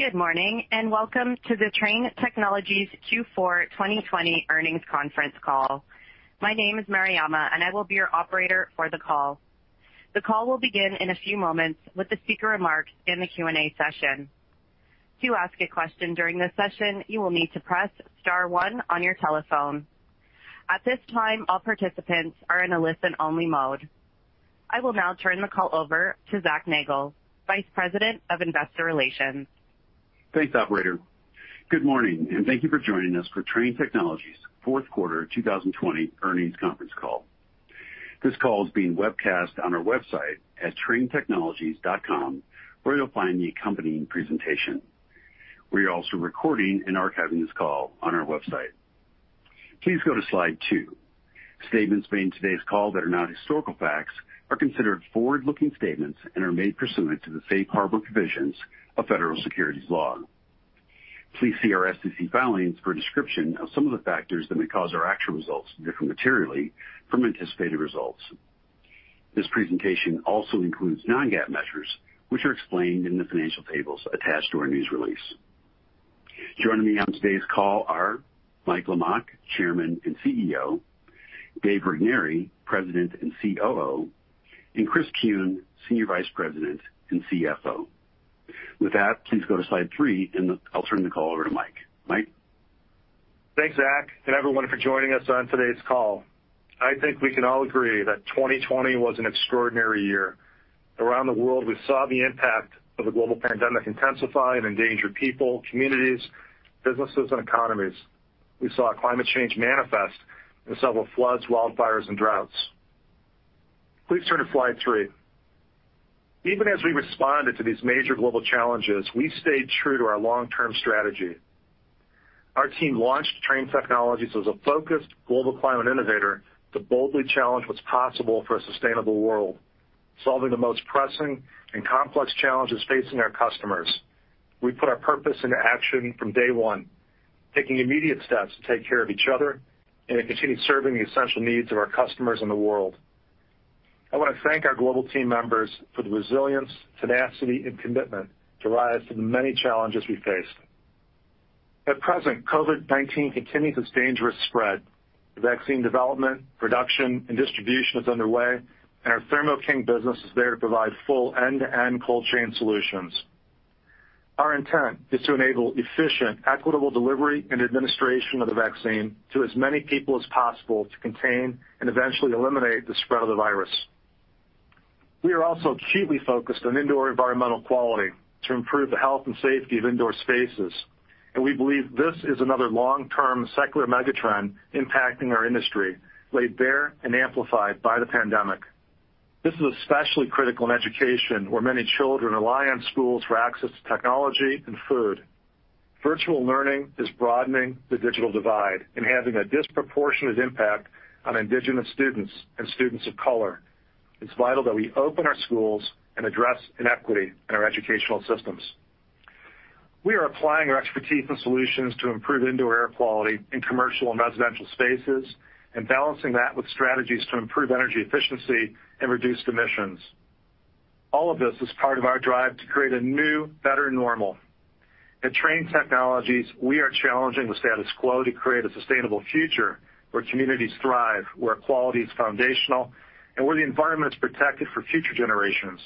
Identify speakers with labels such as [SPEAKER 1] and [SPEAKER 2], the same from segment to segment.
[SPEAKER 1] Good morning, welcome to the Trane Technologies Q4 2020 Earnings Conference Call. My name is Mariama, and I will be your operator for the call. The call will begin in a few moments with the speaker remarks in the Q&A session. To ask a question during this session, you will need to press star one on your telephone. At this time, all participants are in a listen-only mode. I will now turn the call over to Zac Nagle, Vice President of Investor Relations.
[SPEAKER 2] Thanks, operator. Good morning. Thank you for joining us for Trane Technologies' fourth quarter 2020 earnings conference call. This call is being webcast on our website at tranetechnologies.com, where you'll find the accompanying presentation. We are also recording and archiving this call on our website. Please go to slide two. Statements made in today's call that are not historical facts are considered forward-looking statements and are made pursuant to the safe harbor provisions of federal securities law. Please see our SEC filings for a description of some of the factors that may cause our actual results to differ materially from anticipated results. This presentation also includes non-GAAP measures, which are explained in the financial tables attached to our news release. Joining me on today's call are Mike Lamach, Chairman and Chief Executive Officer, Dave Regnery, President and Chief Operating Officer, and Chris Kuehn, Senior Vice President and Chief Financial Officer. With that, please go to slide three, and I'll turn the call over to Mike. Mike Lamach?
[SPEAKER 3] Thanks, Zac, and everyone for joining us on today's call. I think we can all agree that 2020 was an extraordinary year. Around the world, we saw the impact of the global pandemic intensify and endanger people, communities, businesses, and economies. We saw climate change manifest in several floods, wildfires, and droughts. Please turn to slide three. Even as we responded to these major global challenges, we stayed true to our long-term strategy. Our team launched Trane Technologies as a focused global climate innovator to boldly challenge what's possible for a sustainable world, solving the most pressing and complex challenges facing our customers. We put our purpose into action from day one, taking immediate steps to take care of each other and continue serving the essential needs of our customers and the world. I want to thank our global team members for the resilience, tenacity, and commitment to rise to the many challenges we faced. At present, COVID-19 continues its dangerous spread. The vaccine development, production, and distribution is underway, and our Thermo King business is there to provide full end-to-end cold chain solutions. Our intent is to enable efficient, equitable delivery and administration of the vaccine to as many people as possible to contain and eventually eliminate the spread of the virus. We are also acutely focused on indoor environmental quality to improve the health and safety of indoor spaces, and we believe this is another long-term secular mega-trend impacting our industry, laid bare and amplified by the pandemic. This is especially critical in education, where many children rely on schools for access to technology and food. Virtual learning is broadening the digital divide and having a disproportionate impact on indigenous students and students of color. It's vital that we open our schools and address inequity in our educational systems. We are applying our expertise and solutions to improve indoor air quality in commercial and residential spaces and balancing that with strategies to improve energy efficiency and reduce emissions. All of this is part of our drive to create a new, better normal. At Trane Technologies, we are challenging the status quo to create a sustainable future where communities thrive, where quality is foundational, and where the environment's protected for future generations.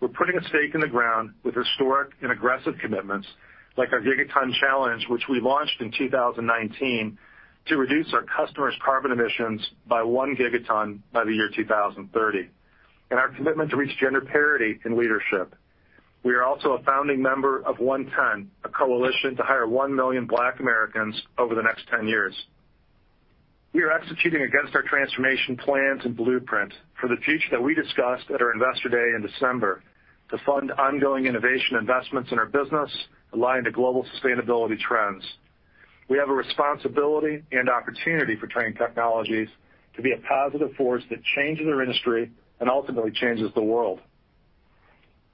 [SPEAKER 3] We're putting a stake in the ground with historic and aggressive commitments, like our Gigaton Challenge, which we launched in 2019 to reduce our customers' carbon emissions by one gigaton by the year 2030, and our commitment to reach gender parity in leadership. We are also a founding member of OneTen, a coalition to hire 1 million Black Americans over the next 10 years. We are executing against our transformation plans and blueprint for the future that we discussed at our Investor Day in December to fund ongoing innovation investments in our business aligned to global sustainability trends. We have a responsibility and opportunity for Trane Technologies to be a positive force that changes our industry and ultimately changes the world.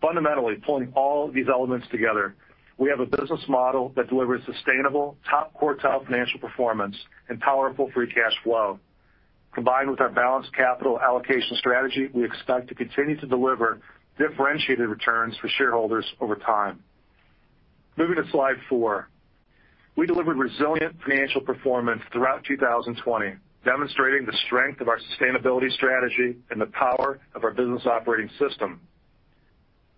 [SPEAKER 3] Fundamentally, pulling all these elements together, we have a business model that delivers sustainable top-quartile financial performance and powerful free cash flow. Combined with our balanced capital allocation strategy, we expect to continue to deliver differentiated returns for shareholders over time. Moving to slide four. We delivered resilient financial performance throughout 2020, demonstrating the strength of our sustainability strategy and the power of our business operating system.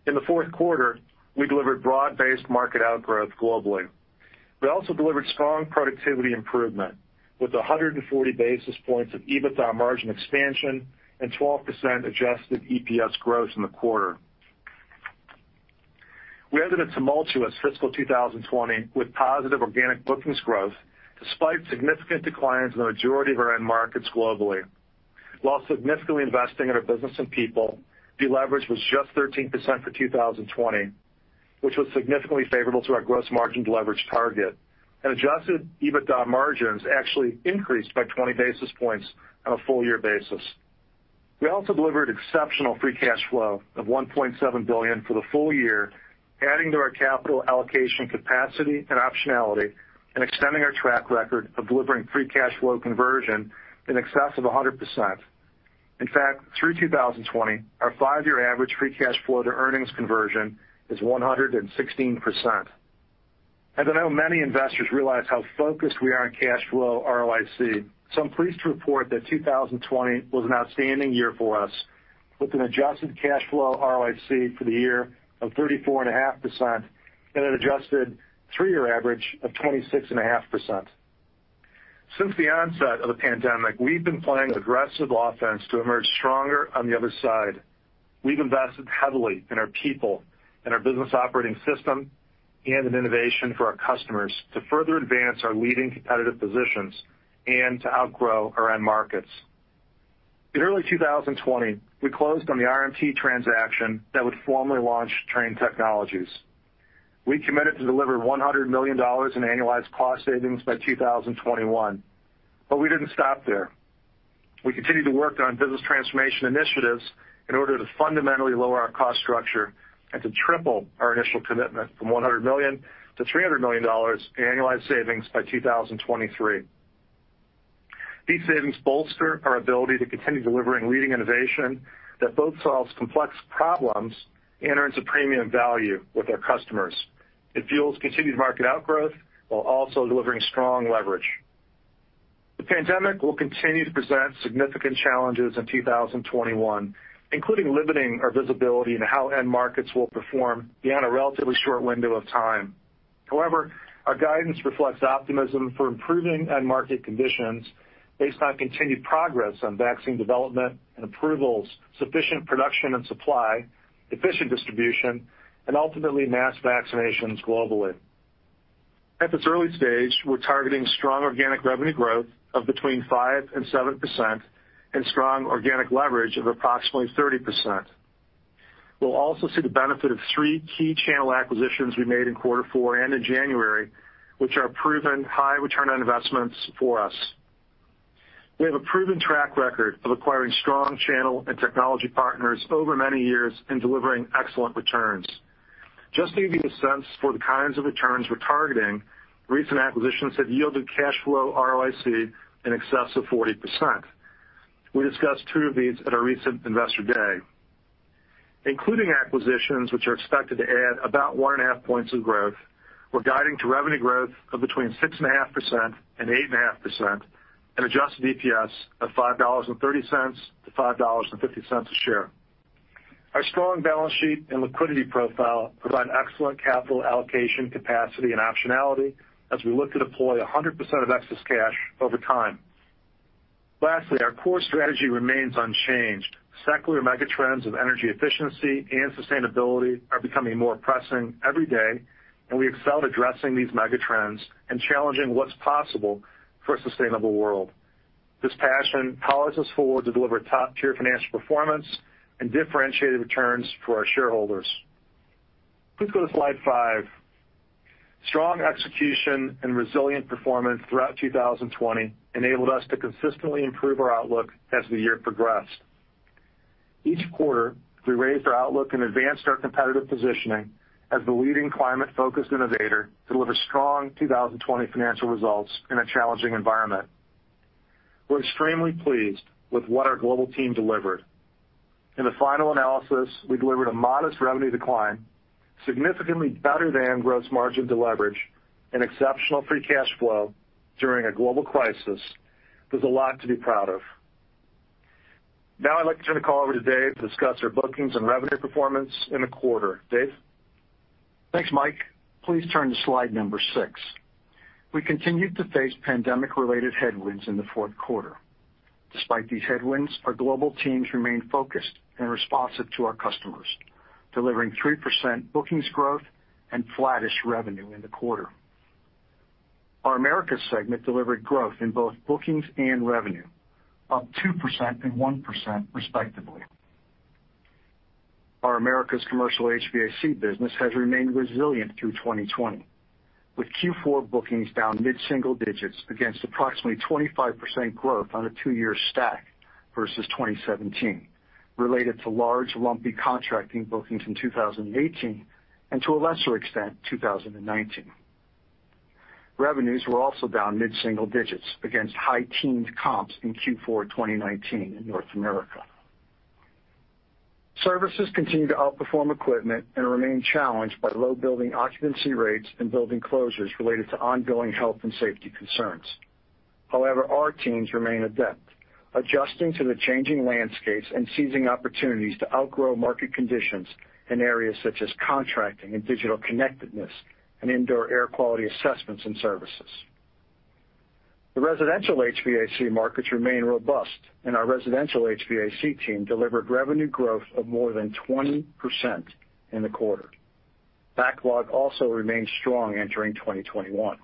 [SPEAKER 3] In the fourth quarter, we delivered broad-based market outgrowth globally. We also delivered strong productivity improvement, with 140 basis points of EBITDA margin expansion and 12% adjusted EPS growth in the quarter. We ended a tumultuous fiscal 2020 with positive organic bookings growth, despite significant declines in the majority of our end markets globally. While significantly investing in our business and people, deleverage was just 13% for 2020, which was significantly favorable to our gross margin leverage target, and adjusted EBITDA margins actually increased by 20 basis points on a full-year basis. We also delivered exceptional free cash flow of $1.7 billion for the full year, adding to our capital allocation capacity and optionality and extending our track record of delivering free cash flow conversion in excess of 100%. In fact, through 2020, our five-year average free cash flow to earnings conversion is 116%. I don't know many investors realize how focused we are on cash flow Return on Invested Capital. I'm pleased to report that 2020 was an outstanding year for us, with an adjusted cash flow ROIC for the year of 34.5% and an adjusted three-year average of 26.5%. Since the onset of the pandemic, we've been playing aggressive offense to emerge stronger on the other side. We've invested heavily in our people, in our business operating system, and in innovation for our customers to further advance our leading competitive positions and to outgrow our end markets. In early 2020, we closed on the Reverse Morris Trust transaction that would formally launch Trane Technologies. We committed to deliver $100 million in annualized cost savings by 2021. We didn't stop there. We continued to work on business transformation initiatives in order to fundamentally lower our cost structure and to triple our initial commitment from $100 million-$300 million in annualized savings by 2023. These savings bolster our ability to continue delivering leading innovation that both solves complex problems and earns a premium value with our customers. It fuels continued market outgrowth while also delivering strong leverage. The pandemic will continue to present significant challenges in 2021, including limiting our visibility into how end markets will perform beyond a relatively short window of time. However, our guidance reflects optimism for improving end market conditions based on continued progress on vaccine development and approvals, sufficient production and supply, efficient distribution, and ultimately, mass vaccinations globally. At this early stage, we're targeting strong organic revenue growth of between 5% and 7% and strong organic leverage of approximately 30%. We'll also see the benefit of three key channel acquisitions we made in quarter four and in January, which are proven high return on investments for us. We have a proven track record of acquiring strong channel and technology partners over many years in delivering excellent returns. Just to give you a sense for the kinds of returns we're targeting, recent acquisitions have yielded cash flow ROIC in excess of 40%. We discussed two of these at our recent Investor Day. Including acquisitions which are expected to add about one and a half points of growth, we're guiding to revenue growth of between 6.5% and 8.5% and adjusted EPS of $5.30-$5.50 a share. Our strong balance sheet and liquidity profile provide excellent capital allocation capacity and optionality as we look to deploy 100% of excess cash over time. Lastly, our core strategy remains unchanged. Secular megatrends of energy efficiency and sustainability are becoming more pressing every day, and we excel at addressing these megatrends and challenging what's possible for a sustainable world. This passion powers us forward to deliver top-tier financial performance and differentiated returns for our shareholders. Please go to slide five. Strong execution and resilient performance throughout 2020 enabled us to consistently improve our outlook as the year progressed. Each quarter, we raised our outlook and advanced our competitive positioning as the leading climate-focused innovator to deliver strong 2020 financial results in a challenging environment. We're extremely pleased with what our global team delivered. In the final analysis, we delivered a modest revenue decline, significantly better than gross margin deleverage, and exceptional free cash flow during a global crisis with a lot to be proud of. Now I'd like to turn the call over to Dave to discuss our bookings and revenue performance in the quarter. Dave Regnery?
[SPEAKER 4] Thanks, Mike. Please turn to slide number six. We continued to face pandemic-related headwinds in the fourth quarter. Despite these headwinds, our global teams remained focused and responsive to our customers, delivering 3% bookings growth and flattish revenue in the quarter. Our Americas segment delivered growth in both bookings and revenue, up 2% and 1% respectively. Our Americas commercial heating, ventilation, and air conditioning business has remained resilient through 2020, with Q4 bookings down mid-single digits against approximately 25% growth on a two-year stack versus 2017, related to large, lumpy contracting bookings in 2018 and to a lesser extent, 2019. Revenues were also down mid-single digits against high teens comps in Q4 2019 in North America. Services continue to outperform equipment and remain challenged by low building occupancy rates and building closures related to ongoing health and safety concerns. Our teams remain adept, adjusting to the changing landscapes and seizing opportunities to outgrow market conditions in areas such as contracting and digital connectedness and indoor air quality assessments and services. The residential HVAC markets remain robust, and our residential HVAC team delivered revenue growth of more than 20% in the quarter. Backlog also remains strong entering 2021.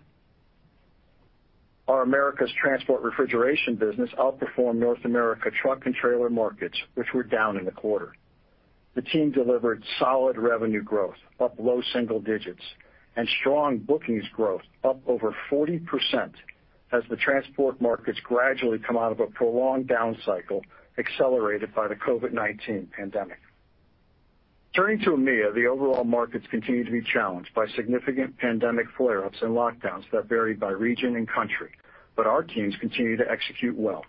[SPEAKER 4] Our Americas transport refrigeration business outperformed North America truck and trailer markets, which were down in the quarter. The team delivered solid revenue growth up low double digits and strong bookings growth up over 40% as the transport markets gradually come out of a prolonged down cycle accelerated by the COVID-19 pandemic. Turning to EMEA, the overall markets continue to be challenged by significant pandemic flare ups and lockdowns that vary by region and country, but our teams continue to execute well.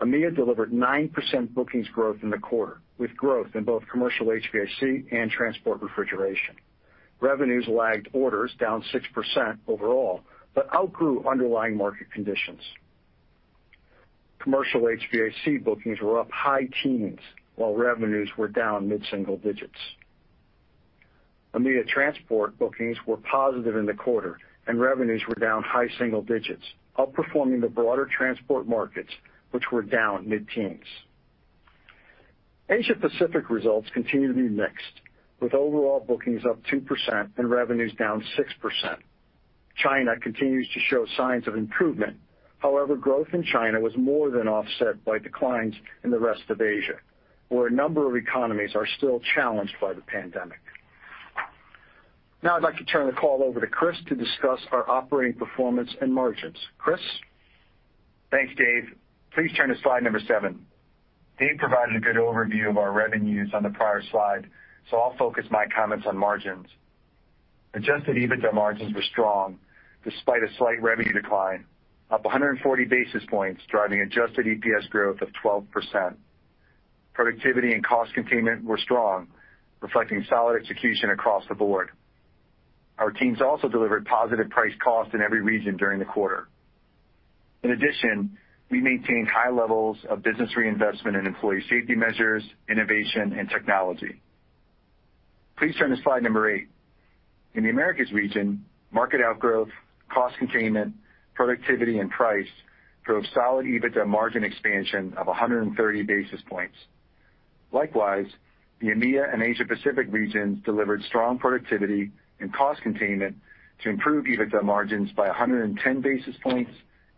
[SPEAKER 4] EMEA delivered 9% bookings growth in the quarter, with growth in both commercial HVAC and transport refrigeration. Revenues lagged orders down 6% overall, but outgrew underlying market conditions. Commercial HVAC bookings were up high teens while revenues were down mid-single digits. EMEA transport bookings were positive in the quarter, and revenues were down high single digits, outperforming the broader transport markets, which were down mid-teens. Asia Pacific results continue to be mixed, with overall bookings up 2% and revenues down 6%. China continues to show signs of improvement. However, growth in China was more than offset by declines in the rest of Asia, where a number of economies are still challenged by the pandemic. Now I'd like to turn the call over to Chris to discuss our operating performance and margins. Chris Kuehn?
[SPEAKER 5] Thanks, Dave. Please turn to slide number seven. Dave provided a good overview of our revenues on the prior slide. I'll focus my comments on margins. Adjusted EBITDA margins were strong despite a slight revenue decline, up 140 basis points, driving adjusted EPS growth of 12%. Productivity and cost containment were strong, reflecting solid execution across the board. Our teams also delivered positive price cost in every region during the quarter. In addition, we maintained high levels of business reinvestment in employee safety measures, innovation, and technology. Please turn to slide number eight. In the Americas region, market outgrowth, cost containment, productivity, and price drove solid EBITDA margin expansion of 130 basis points. Likewise, the EMEA and Asia Pacific regions delivered strong productivity and cost containment to improve EBITDA margins by 110 basis points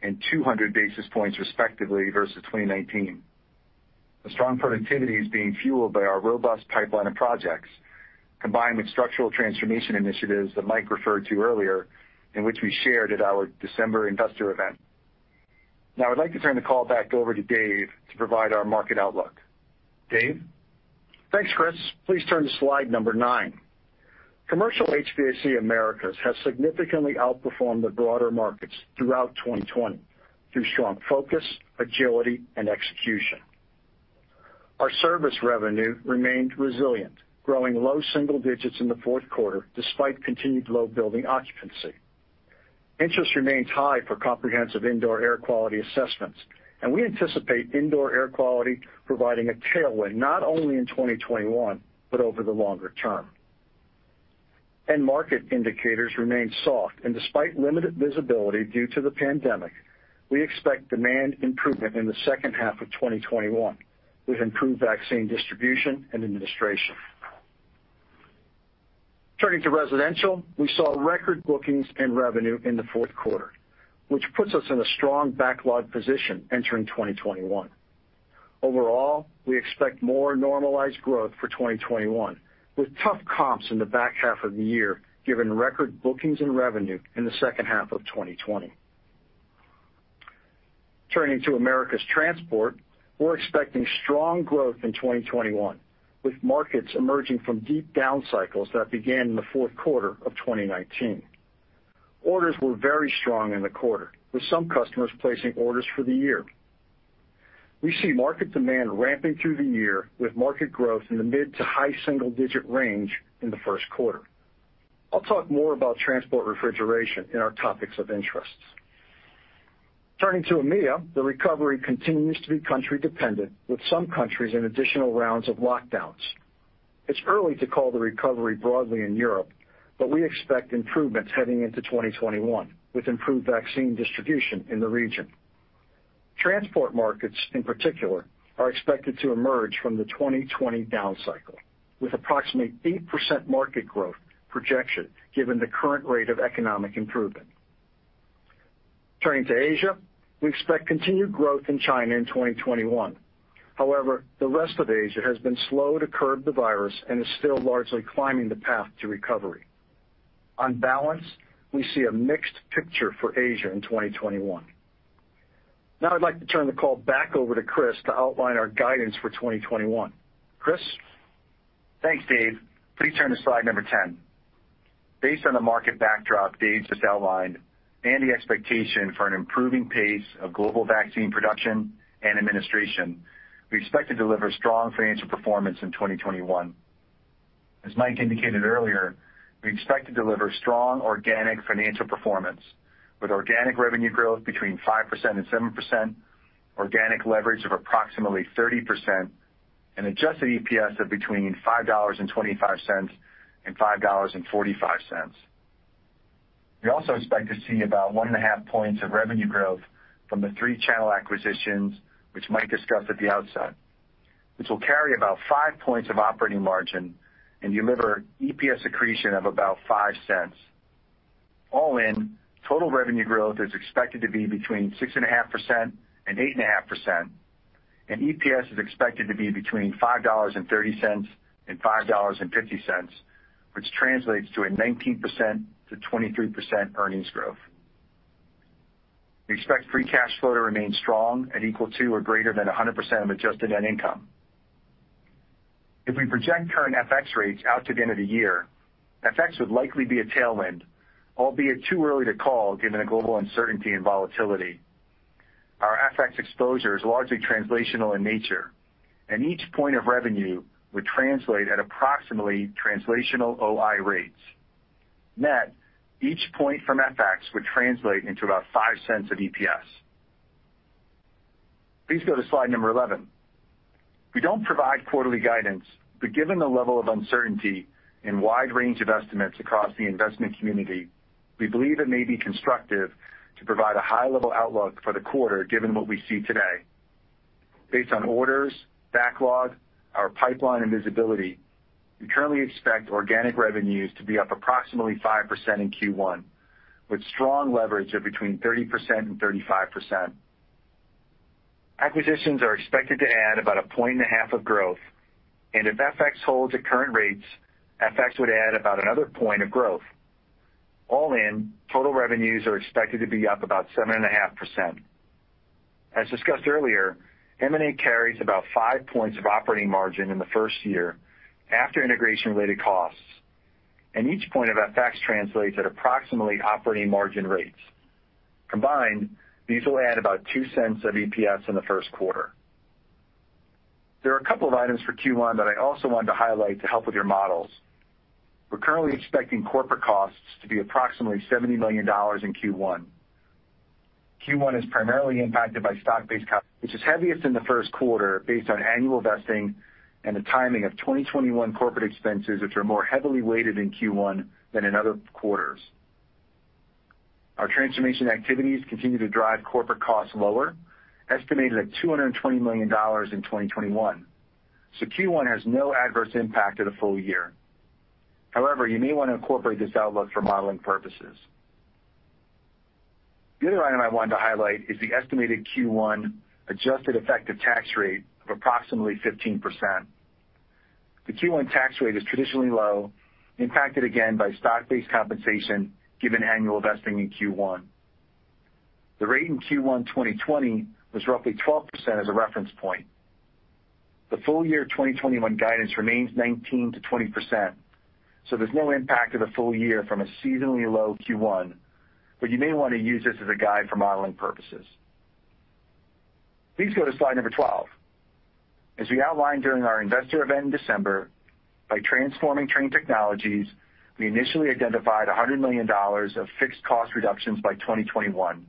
[SPEAKER 5] and 200 basis points, respectively, versus 2019. The strong productivity is being fueled by our robust pipeline of projects, combined with structural transformation initiatives that Mike referred to earlier, and which we shared at our December investor event. I'd like to turn the call back over to Dave to provide our market outlook. Dave?
[SPEAKER 4] Thanks, Chris. Please turn to slide number nine. Commercial HVAC Americas has significantly outperformed the broader markets throughout 2020 through strong focus, agility, and execution. Our service revenue remained resilient, growing low single digits in the fourth quarter despite continued low building occupancy. Interest remains high for comprehensive indoor air quality assessments, and we anticipate indoor air quality providing a tailwind not only in 2021, but over the longer term. End market indicators remain soft, and despite limited visibility due to the pandemic, we expect demand improvement in the second half of 2021 with improved vaccine distribution and administration. Turning to residential, we saw record bookings and revenue in the fourth quarter, which puts us in a strong backlog position entering 2021. Overall, we expect more normalized growth for 2021, with tough comps in the back half of the year given record bookings and revenue in the second half of 2020. Turning to Americas Transport, we're expecting strong growth in 2021, with markets emerging from deep down cycles that began in the fourth quarter of 2019. Orders were very strong in the quarter, with some customers placing orders for the year. We see market demand ramping through the year with market growth in the mid to high single digit range in the first quarter. I'll talk more about transport refrigeration in our topics of interests. Turning to EMEA, the recovery continues to be country dependent, with some countries in additional rounds of lockdowns. It's early to call the recovery broadly in Europe, but we expect improvements heading into 2021 with improved vaccine distribution in the region. Transport markets, in particular, are expected to emerge from the 2020 down cycle with approximately 8% market growth projection given the current rate of economic improvement. Turning to Asia, we expect continued growth in China in 2021. However, the rest of Asia has been slow to curb the virus and is still largely climbing the path to recovery. On balance, we see a mixed picture for Asia in 2021. Now I'd like to turn the call back over to Chris to outline our guidance for 2021. Chris?
[SPEAKER 5] Thanks, Dave. Please turn to slide number 10. Based on the market backdrop Dave just outlined and the expectation for an improving pace of global vaccine production and administration, we expect to deliver strong financial performance in 2021. As Mike indicated earlier, we expect to deliver strong organic financial performance with organic revenue growth between 5% and 7%, organic leverage of approximately 30%, and adjusted EPS of between $5.25 and $5.45. We also expect to see about 1.5 points of revenue growth from the three channel acquisitions, which Mike discussed at the outset, which will carry about 5 points of operating margin and deliver EPS accretion of about $0.05. All in, total revenue growth is expected to be between 6.5%-8.5%. EPS is expected to be between $5.30-$5.50, which translates to a 19%-23% earnings growth. We expect free cash flow to remain strong at equal to or greater than 100% of adjusted net income. If we project current FX rates out to the end of the year, FX would likely be a tailwind, albeit too early to call given the global uncertainty and volatility. Our FX exposure is largely translational in nature, and each point of revenue would translate at approximately translational operating income rates. Net, each point from FX would translate into about $0.05 of EPS. Please go to slide number 11. We don't provide quarterly guidance. Given the level of uncertainty and wide range of estimates across the investment community, we believe it may be constructive to provide a high-level outlook for the quarter given what we see today. Based on orders, backlog, our pipeline, and visibility, we currently expect organic revenues to be up approximately 5% in Q1, with strong leverage of between 30% and 35%. Acquisitions are expected to add about a point and a half of growth. If FX holds at current rates, FX would add about another point of growth. All in, total revenues are expected to be up about 7.5%. As discussed earlier, M&A carries about 5 points of operating margin in the first year after integration-related costs, and each point of FX translates at approximately operating margin rates. Combined, these will add about $0.02 of EPS in the first quarter. There are a couple of items for Q1 that I also wanted to highlight to help with your models. We're currently expecting corporate costs to be approximately $70 million in Q1. Q1 is primarily impacted by stock-based comp, which is heaviest in the first quarter based on annual vesting and the timing of 2021 corporate expenses, which are more heavily weighted in Q1 than in other quarters. Our transformation activities continue to drive corporate costs lower, estimated at $220 million in 2021. Q1 has no adverse impact to the full year. However, you may want to incorporate this outlook for modeling purposes. The other item I wanted to highlight is the estimated Q1 adjusted effective tax rate of approximately 15%. The Q1 tax rate is traditionally low, impacted again by stock-based compensation given annual vesting in Q1. The rate in Q1 2020 was roughly 12% as a reference point. The full year 2021 guidance remains 19%-20%, there's no impact to the full year from a seasonally low Q1, you may want to use this as a guide for modeling purposes. Please go to slide number 12. As we outlined during our investor event in December, by transforming Trane Technologies, we initially identified $100 million of fixed cost reductions by 2021.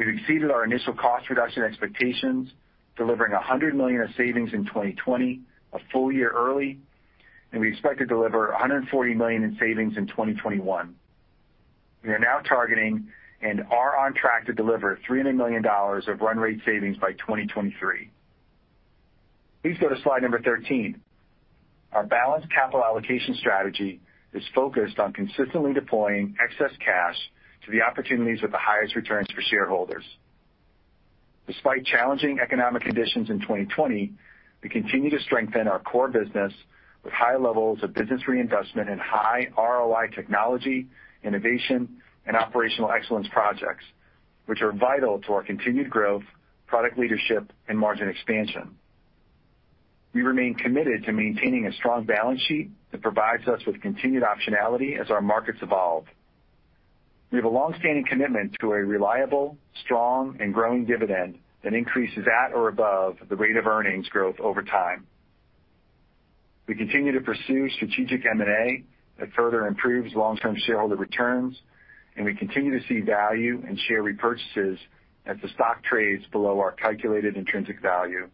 [SPEAKER 5] We've exceeded our initial cost reduction expectations, delivering $100 million of savings in 2020, a full year early, and we expect to deliver $140 million in savings in 2021. We are now targeting and are on track to deliver $300 million of run rate savings by 2023. Please go to slide number 13. Our balanced capital allocation strategy is focused on consistently deploying excess cash to the opportunities with the highest returns for shareholders. Despite challenging economic conditions in 2020, we continue to strengthen our core business with high levels of business reinvestment and high ROI technology, innovation, and operational excellence projects, which are vital to our continued growth, product leadership, and margin expansion. We remain committed to maintaining a strong balance sheet that provides us with continued optionality as our markets evolve. We have a longstanding commitment to a reliable, strong, and growing dividend that increases at or above the rate of earnings growth over time. We continue to pursue strategic M&A that further improves long-term shareholder returns. We continue to see value in share repurchases as the stock trades below our calculated intrinsic value.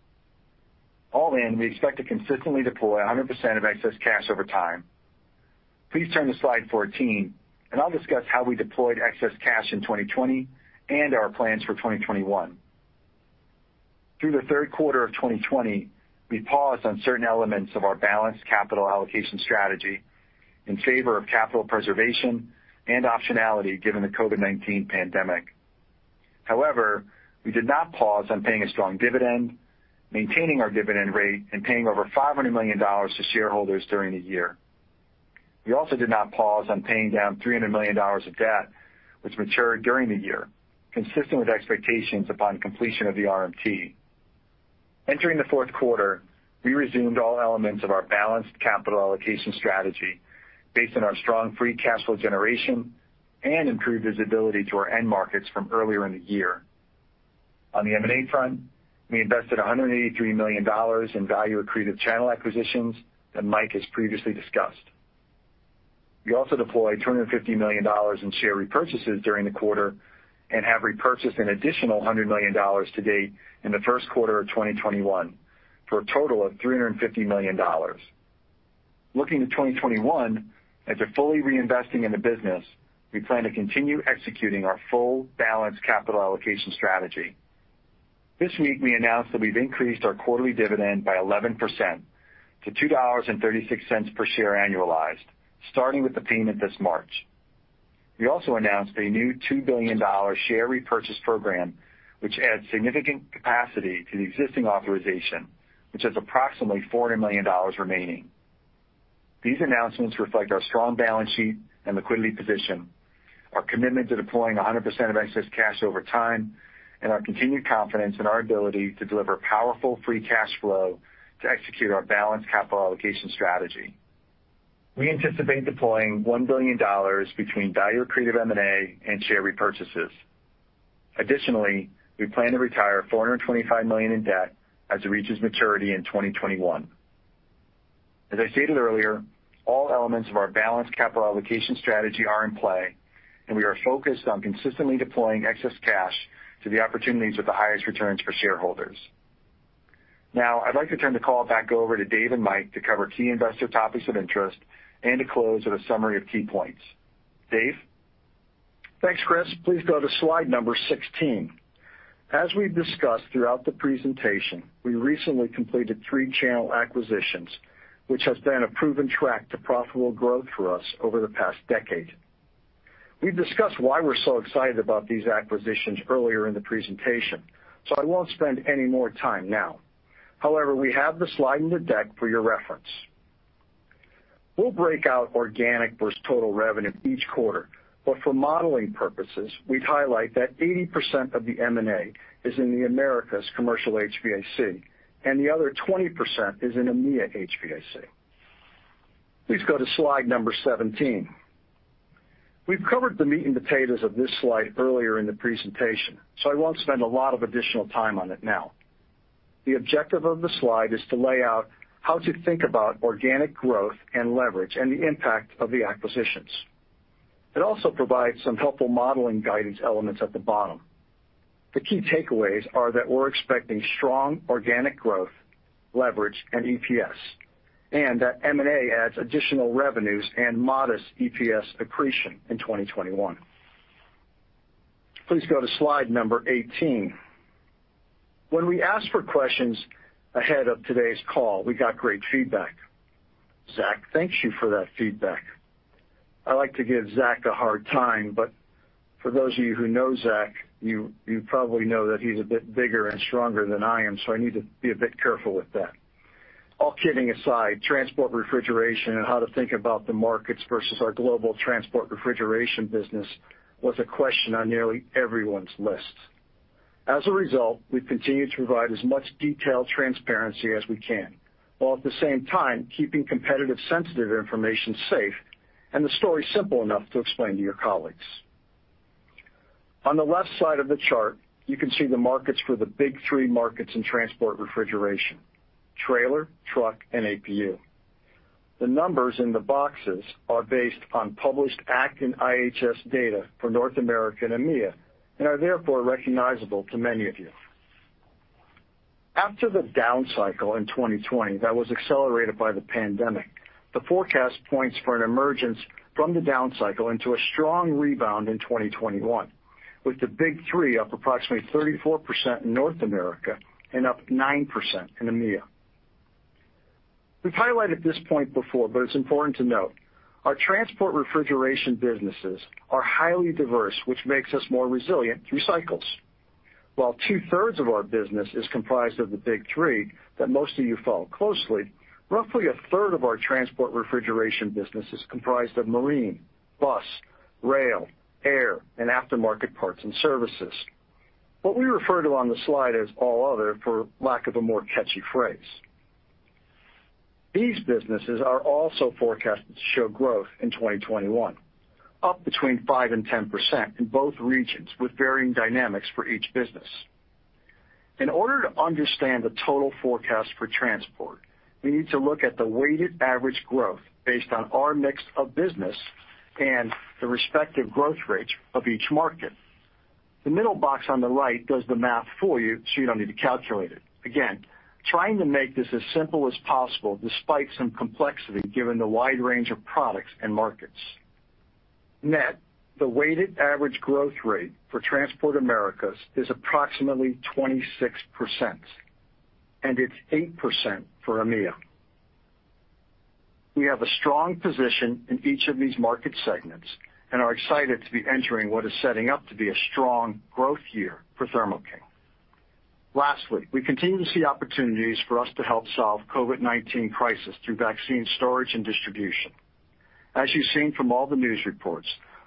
[SPEAKER 5] All in, we expect to consistently deploy 100% of excess cash over time. Please turn to slide 14. I'll discuss how we deployed excess cash in 2020 and our plans for 2021. Through the third quarter of 2020, we paused on certain elements of our balanced capital allocation strategy in favor of capital preservation and optionality given the COVID-19 pandemic. However, we did not pause on paying a strong dividend, maintaining our dividend rate, and paying over $500 million to shareholders during the year. We also did not pause on paying down $300 million of debt, which matured during the year, consistent with expectations upon completion of the RMT. Entering the fourth quarter, we resumed all elements of our balanced capital allocation strategy based on our strong free cash flow generation and improved visibility to our end markets from earlier in the year. On the M&A front, we invested $183 million in value-accretive channel acquisitions that Mike has previously discussed. We also deployed $250 million in share repurchases during the quarter and have repurchased an additional $100 million to date in the first quarter of 2021, for a total of $350 million. Looking to 2021, after fully reinvesting in the business, we plan to continue executing our full balanced capital allocation strategy. This week, we announced that we've increased our quarterly dividend by 11% to $2.36 per share annualized, starting with the payment this March. We also announced a new $2 billion share repurchase program, which adds significant capacity to the existing authorization, which has approximately $400 million remaining. These announcements reflect our strong balance sheet and liquidity position, our commitment to deploying 100% of excess cash over time, and our continued confidence in our ability to deliver powerful free cash flow to execute our balanced capital allocation strategy. We anticipate deploying $1 billion between value-accretive M&A and share repurchases. Additionally, we plan to retire $425 million in debt as it reaches maturity in 2021. As I stated earlier, all elements of our balanced capital allocation strategy are in play, and we are focused on consistently deploying excess cash to the opportunities with the highest returns for shareholders. Now, I'd like to turn the call back over to Dave and Mike to cover key investor topics of interest and to close with a summary of key points. Dave?
[SPEAKER 4] Thanks, Chris. Please go to slide number 16. As we've discussed throughout the presentation, we recently completed three channel acquisitions, which has been a proven track to profitable growth for us over the past decade. We've discussed why we're so excited about these acquisitions earlier in the presentation, so I won't spend any more time now. However, we have the slide in the deck for your reference. We'll break out organic versus total revenue each quarter, but for modeling purposes, we'd highlight that 80% of the M&A is in the Americas commercial HVAC, and the other 20% is in EMEIA HVAC. Please go to slide number 17. We've covered the meat and potatoes of this slide earlier in the presentation, so I won't spend a lot of additional time on it now. The objective of the slide is to lay out how to think about organic growth and leverage and the impact of the acquisitions. It also provides some helpful modeling guidance elements at the bottom. The key takeaways are that we're expecting strong organic growth, leverage, and EPS, and that M&A adds additional revenues and modest EPS accretion in 2021. Please go to slide number 18. When we asked for questions ahead of today's call, we got great feedback. Zac, thanks you for that feedback. I like to give Zac a hard time, but for those of you who know Zac, you probably know that he's a bit bigger and stronger than I am, so I need to be a bit careful with that. All kidding aside, transport refrigeration and how to think about the markets versus our global transport refrigeration business was a question on nearly everyone's list. As a result, we've continued to provide as much detailed transparency as we can, while at the same time, keeping competitive sensitive information safe and the story simple enough to explain to your colleagues. On the left side of the chart, you can see the markets for the big three markets in transport refrigeration: trailer, truck, and auxiliary power unit. The numbers in the boxes are based on published Americas Commercial Transportation and Information Handling Services data for North America and EMEIA and are therefore recognizable to many of you. After the down cycle in 2020 that was accelerated by the pandemic, the forecast points for an emergence from the down cycle into a strong rebound in 2021, with the big three up approximately 34% in North America and up 9% in EMEIA. We've highlighted this point before, but it's important to note. Our transport refrigeration businesses are highly diverse, which makes us more resilient through cycles. While 2/3 of our business is comprised of the big three that most of you follow closely, roughly 1/3 of our transport refrigeration business is comprised of marine, bus, rail, air, and aftermarket parts and services. What we refer to on the slide as all other, for lack of a more catchy phrase. These businesses are also forecasted to show growth in 2021, up between 5% and 10% in both regions with varying dynamics for each business. In order to understand the total forecast for transport, we need to look at the weighted average growth based on our mix of business and the respective growth rates of each market. The middle box on the right does the math for you, so you don't need to calculate it. Again, trying to make this as simple as possible despite some complexity given the wide range of products and markets. Net, the weighted average growth rate for transport Americas is approximately 26%, and it's 8% for EMEIA. We have a strong position in each of these market segments and are excited to be entering what is setting up to be a strong growth year for Thermo King. Lastly, we continue to see opportunities for us to help solve COVID-19 crisis through vaccine storage and distribution. As you've seen from all the news reports,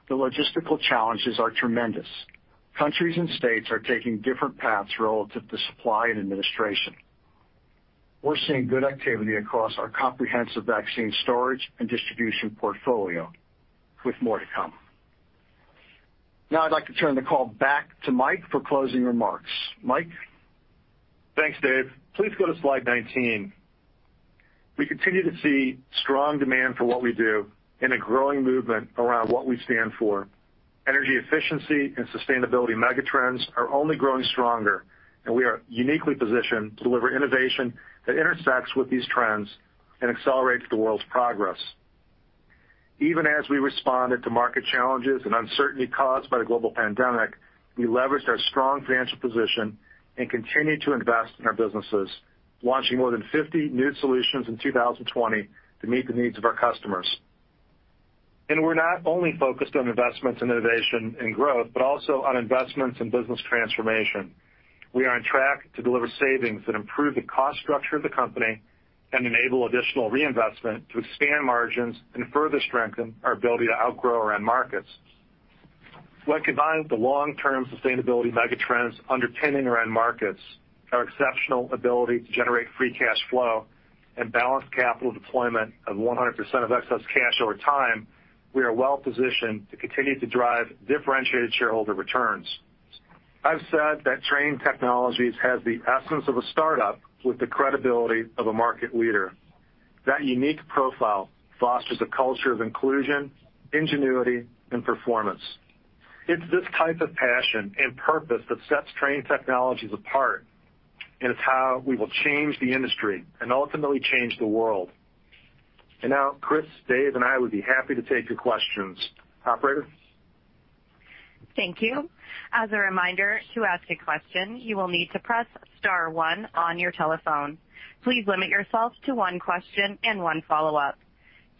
[SPEAKER 4] the logistical challenges are tremendous. Countries and states are taking different paths relative to supply and administration. We're seeing good activity across our comprehensive vaccine storage and distribution portfolio, with more to come. Now I'd like to turn the call back to Mike for closing remarks. Mike?
[SPEAKER 3] Thanks, Dave. Please go to slide 19. We continue to see strong demand for what we do and a growing movement around what we stand for. Energy efficiency and sustainability megatrends are only growing stronger, and we are uniquely positioned to deliver innovation that intersects with these trends and accelerates the world's progress. Even as we responded to market challenges and uncertainty caused by the global pandemic, we leveraged our strong financial position and continued to invest in our businesses, launching more than 50 new solutions in 2020 to meet the needs of our customers. We are not only focused on investments in innovation and growth, but also on investments in business transformation. We are on track to deliver savings that improve the cost structure of the company and enable additional reinvestment to expand margins and further strengthen our ability to outgrow our end markets. When combined with the long-term sustainability megatrends underpinning our end markets, our exceptional ability to generate free cash flow, and balanced capital deployment of 100% of excess cash over time, we are well positioned to continue to drive differentiated shareholder returns. I've said that Trane Technologies has the essence of a startup with the credibility of a market leader. That unique profile fosters a culture of inclusion, ingenuity, and performance. It's this type of passion and purpose that sets Trane Technologies apart, and it's how we will change the industry and ultimately change the world. Now, Chris, Dave, and I would be happy to take your questions. Operator?
[SPEAKER 1] Thank you. As a reminder, to ask a question, you will need to press star one on your telephone. Please limit yourself to one question and one follow-up.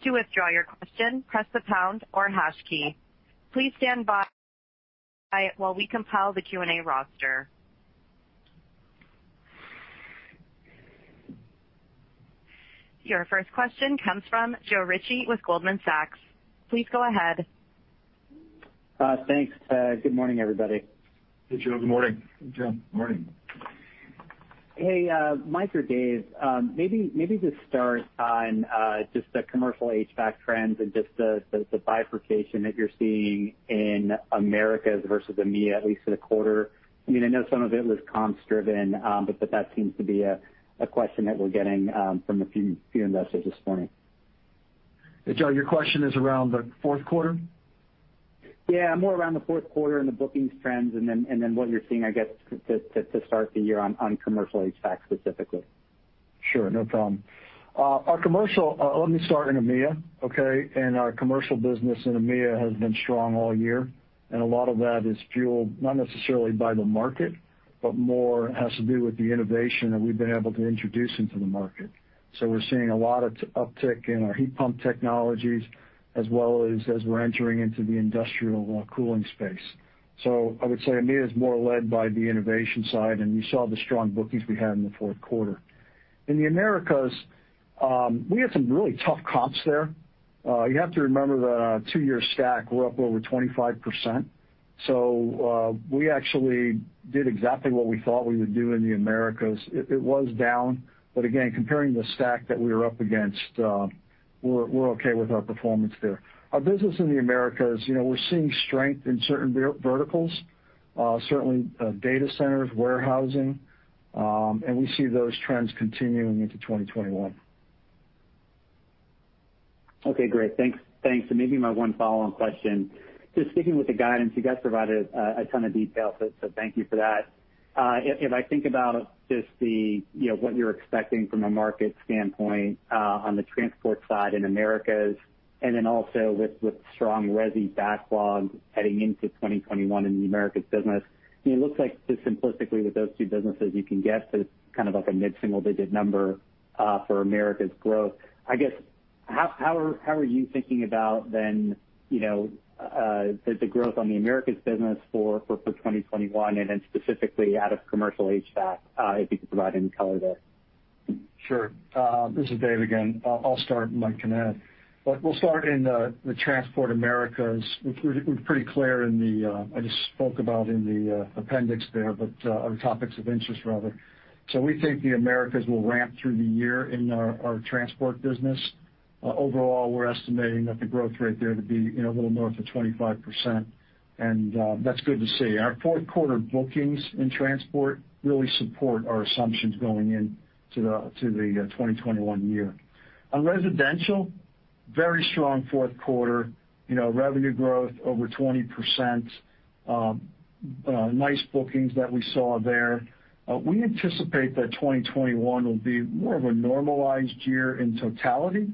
[SPEAKER 1] To withdraw your question, press the pound or hash key. Please stand by while we compile the Q&A roster. Your first question comes from Joe Ritchie with Goldman Sachs. Please go ahead.
[SPEAKER 6] Thanks. Good morning, everybody.
[SPEAKER 3] Hey, Joe. Good morning.
[SPEAKER 4] Hey, Joe. Morning.
[SPEAKER 6] Hey, Mike or Dave, maybe just start on just the commercial HVAC trends and just the bifurcation that you're seeing in Americas versus EMEIA, at least for the quarter. I know some of it was comps driven, that seems to be a question that we're getting from a few investors this morning.
[SPEAKER 3] Hey, Joe, your question is around the fourth quarter?
[SPEAKER 6] Yeah, more around the fourth quarter and the bookings trends and then what you're seeing, I guess, to start the year on commercial HVAC specifically.
[SPEAKER 3] Sure, no problem. Let me start in EMEIA. Okay. Our commercial business in EMEIA has been strong all year, and a lot of that is fueled not necessarily by the market, but more has to do with the innovation that we've been able to introduce into the market. We're seeing a lot of uptick in our heat pump technologies as well as we're entering into the industrial cooling space. I would say EMEIA is more led by the innovation side, and you saw the strong bookings we had in the fourth quarter. In the Americas, we had some really tough comps there. You have to remember that on a two-year stack, we're up over 25%. We actually did exactly what we thought we would do in the Americas. It was down, but again, comparing the stack that we were up against, we're okay with our performance there. Our business in the Americas, we're seeing strength in certain verticals, certainly data centers, warehousing, and we see those trends continuing into 2021.
[SPEAKER 6] Okay, great. Thanks. Maybe my one follow-on question, just sticking with the guidance, you guys provided a ton of detail, so thank you for that. If I think about just what you're expecting from a market standpoint on the transport side in Americas and then also with strong residential backlog heading into 2021 in the Americas business, it looks like just simplistically with those two businesses, you can get to kind of like a mid-single-digit number for Americas' growth. I guess, how are you thinking about then the growth on the Americas business for 2021 and then specifically out of commercial HVAC, if you could provide any color there?
[SPEAKER 4] Sure. This is Dave again. I'll start, and Mike can add. We'll start in the Transport Americas. We're pretty clear, I just spoke about in the appendix there, our topics of interest, rather. We think the Americas will ramp through the year in our Transport business. Overall, we're estimating that the growth rate there to be a little north of 25%. That's good to see. Our fourth quarter bookings in Transport really support our assumptions going in to the 2021 year. On residential, very strong fourth quarter, revenue growth over 20%. Nice bookings that we saw there. We anticipate that 2021 will be more of a normalized year in totality.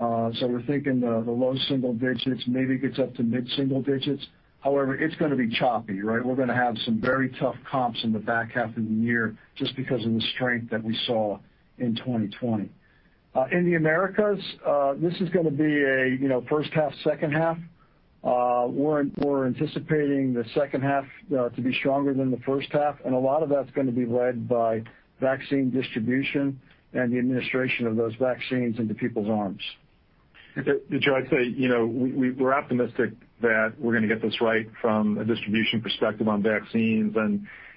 [SPEAKER 4] We're thinking the low single digits, maybe gets up to mid-single digits. However, it's going to be choppy, right? We're going to have some very tough comps in the back half of the year just because of the strength that we saw in 2020. In the Americas, this is going to be a first half, second half. We're anticipating the second half to be stronger than the first half, a lot of that's going to be led by vaccine distribution and the administration of those vaccines into people's arms.
[SPEAKER 3] Joe, I'd say we're optimistic that we're going to get this right from a distribution perspective on vaccines.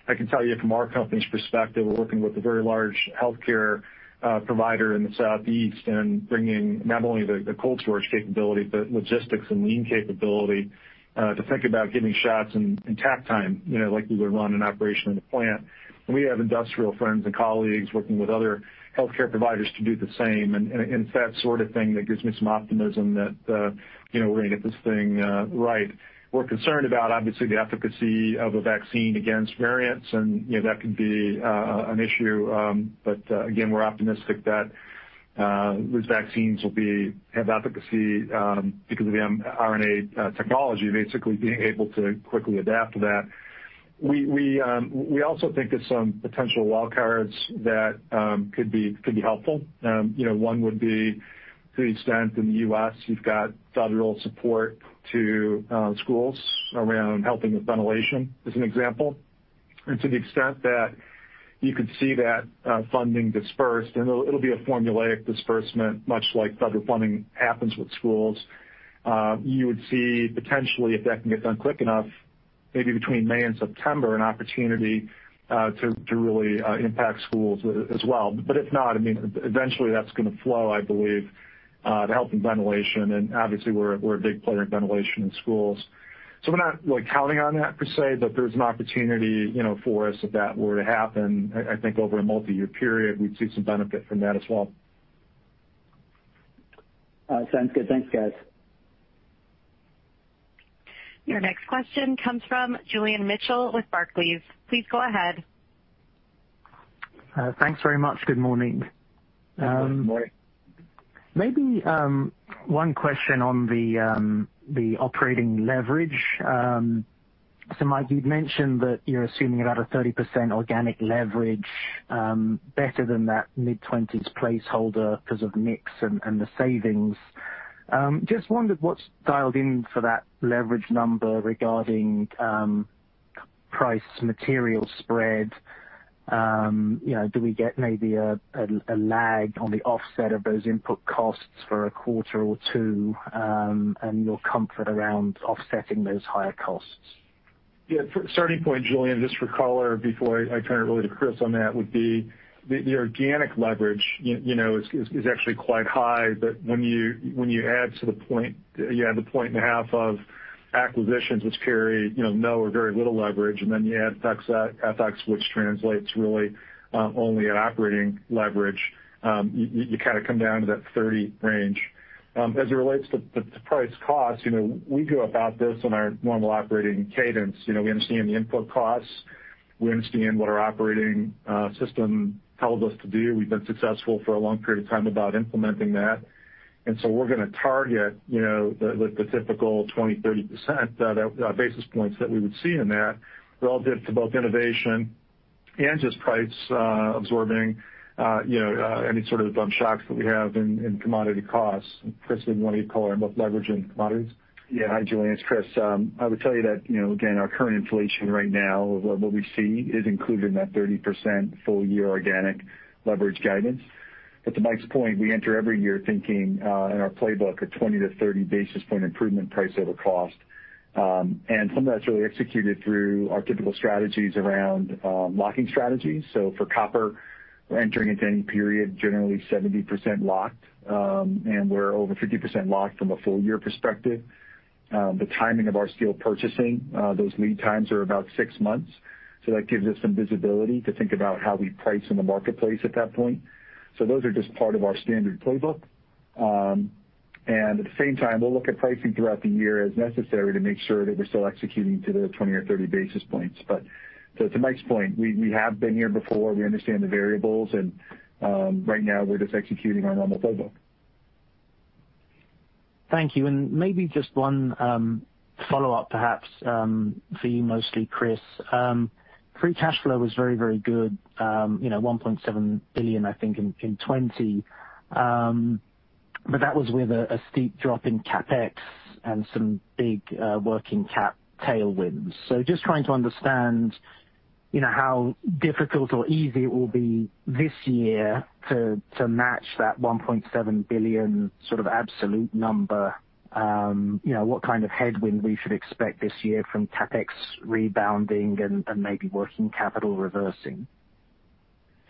[SPEAKER 3] I can tell you from our company's perspective, we're working with a very large healthcare provider in the Southeast and bringing not only the cold storage capability, but logistics and lean capability to think about giving shots and takt time, like you would run an operation in a plant. We have industrial friends and colleagues working with other healthcare providers to do the same. It's that sort of thing that gives me some optimism that we're going to get this thing right. We're concerned about, obviously, the efficacy of a vaccine against variants, and that could be an issue. Again, we're optimistic that these vaccines will have efficacy because of the mRNA technology basically being able to quickly adapt to that. We also think there's some potential wild cards that could be helpful. One would be to the extent in the U.S. you've got federal support to schools around helping with ventilation, as an example. To the extent that you could see that funding dispersed, and it'll be a formulaic disbursement, much like federal funding happens with schools. You would see potentially, if that can get done quick enough, maybe between May and September, an opportunity to really impact schools as well. If not, eventually that's going to flow, I believe, to helping ventilation, and obviously we're a big player in ventilation in schools. We're not counting on that per se, but there's an opportunity for us if that were to happen. I think over a multi-year period, we'd see some benefit from that as well.
[SPEAKER 6] Sounds good. Thanks, guys.
[SPEAKER 1] Your next question comes from Julian Mitchell with Barclays. Please go ahead.
[SPEAKER 7] Thanks very much. Good morning.
[SPEAKER 3] Good morning.
[SPEAKER 7] Maybe one question on the operating leverage. Mike, you'd mentioned that you're assuming about a 30% organic leverage, better than that mid-20s placeholder because of mix and the savings. I just wondered what's dialed in for that leverage number regarding price material spread? Do we get maybe a lag on the offset of those input costs for a quarter or two, and your comfort around offsetting those higher costs?
[SPEAKER 3] Yeah. Starting point, Julian, just for color, before I turn it really to Chris on that, would be the organic leverage is actually quite high. When you add to the point and a half of acquisitions which carry no or very little leverage, and then you add tax, which translates really only at operating leverage, you kind of come down to that 30 range. As it relates to price costs, we go about this in our normal operating cadence. We understand the input costs. We understand what our operating system tells us to do. We've been successful for a long period of time about implementing that. So we're going to target the typical 20 basis points-30 basis points that we would see in that, relative to both innovation and just price absorbing any sort of bump shocks that we have in commodity costs. Chris, did you want to give color on both leverage and commodities?
[SPEAKER 5] Yeah. Hi, Julian. It's Chris. I would tell you that, again, our current inflation right now of what we see is included in that 30% full-year organic leverage guidance. To Mike's point, we enter every year thinking in our playbook a 20 basis points-30 basis point improvement price over cost. Some of that's really executed through our typical strategies around locking strategies. For copper, we're entering into any period generally 70% locked, and we're over 50% locked from a full-year perspective. The timing of our steel purchasing, those lead times are about six months, so that gives us some visibility to think about how we price in the marketplace at that point. Those are just part of our standard playbook. At the same time, we'll look at pricing throughout the year as necessary to make sure that we're still executing to the 20 basis points or 30 basis points. To Mike's point, we have been here before. We understand the variables, and right now we're just executing our normal playbook.
[SPEAKER 7] Thank you. Maybe just one follow-up perhaps, for you mostly, Chris. Free cash flow was very good. $1.7 billion, I think, in 2020. That was with a steep drop in CapEx and some big working cap tailwinds. Just trying to understand how difficult or easy it will be this year to match that $1.7 billion absolute number. What kind of headwind we should expect this year from CapEx rebounding and maybe working capital reversing?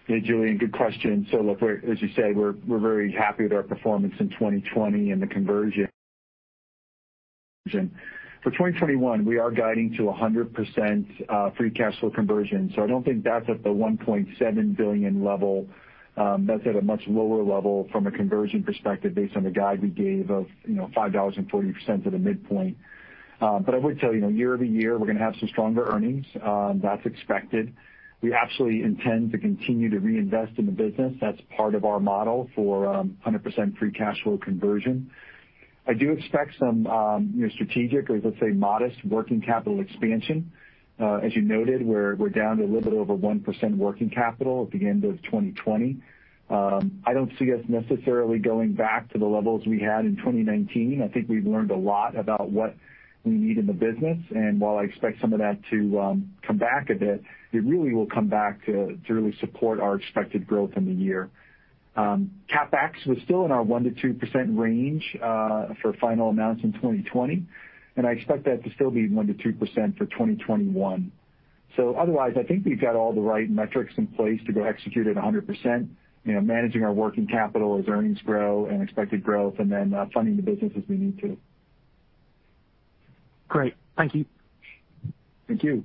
[SPEAKER 5] Yeah, Julian, good question. Look, as you say, we're very happy with our performance in 2020 and the conversion. For 2021, we are guiding to 100% free cash flow conversion. I don't think that's at the $1.7 billion level. That's at a much lower level from a conversion perspective based on the guide we gave of $5.40 to the midpoint. I would tell you, year-over-year, we're going to have some stronger earnings. That's expected. We absolutely intend to continue to reinvest in the business. That's part of our model for 100% free cash flow conversion. I do expect some strategic, or let's say modest, working capital expansion. As you noted, we're down to a little bit over 1% working capital at the end of 2020. I don't see us necessarily going back to the levels we had in 2019. I think we've learned a lot about what we need in the business, and while I expect some of that to come back a bit, it really will come back to really support our expected growth in the year. CapEx was still in our 1%-2% range for final amounts in 2020, and I expect that to still be 1%-2% for 2021. Otherwise, I think we've got all the right metrics in place to go execute at 100%, managing our working capital as earnings grow and expected growth, and then funding the business as we need to.
[SPEAKER 7] Great. Thank you.
[SPEAKER 5] Thank you.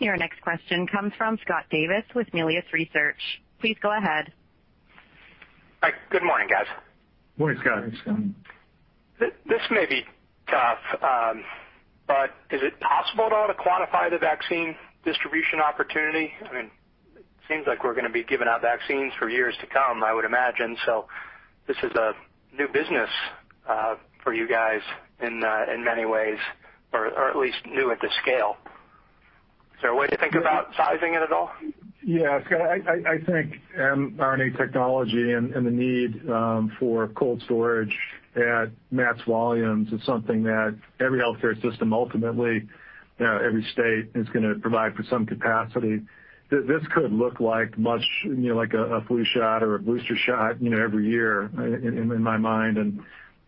[SPEAKER 1] Your next question comes from Scott Davis with Melius Research. Please go ahead.
[SPEAKER 8] Hi. Good morning, guys.
[SPEAKER 3] Morning, Scott.
[SPEAKER 5] Morning, Scott.
[SPEAKER 8] This may be tough. Is it possible at all to quantify the vaccine distribution opportunity? I mean, seems like we're going to be giving out vaccines for years to come, I would imagine. This is a new business for you guys in many ways, or at least new at this scale. Is there a way to think about sizing it at all?
[SPEAKER 3] Yeah. Scott, I think mRNA technology and the need for cold storage at mass volumes is something that every healthcare system, ultimately, every state is going to provide for some capacity. This could look like a flu shot or a booster shot every year in my mind.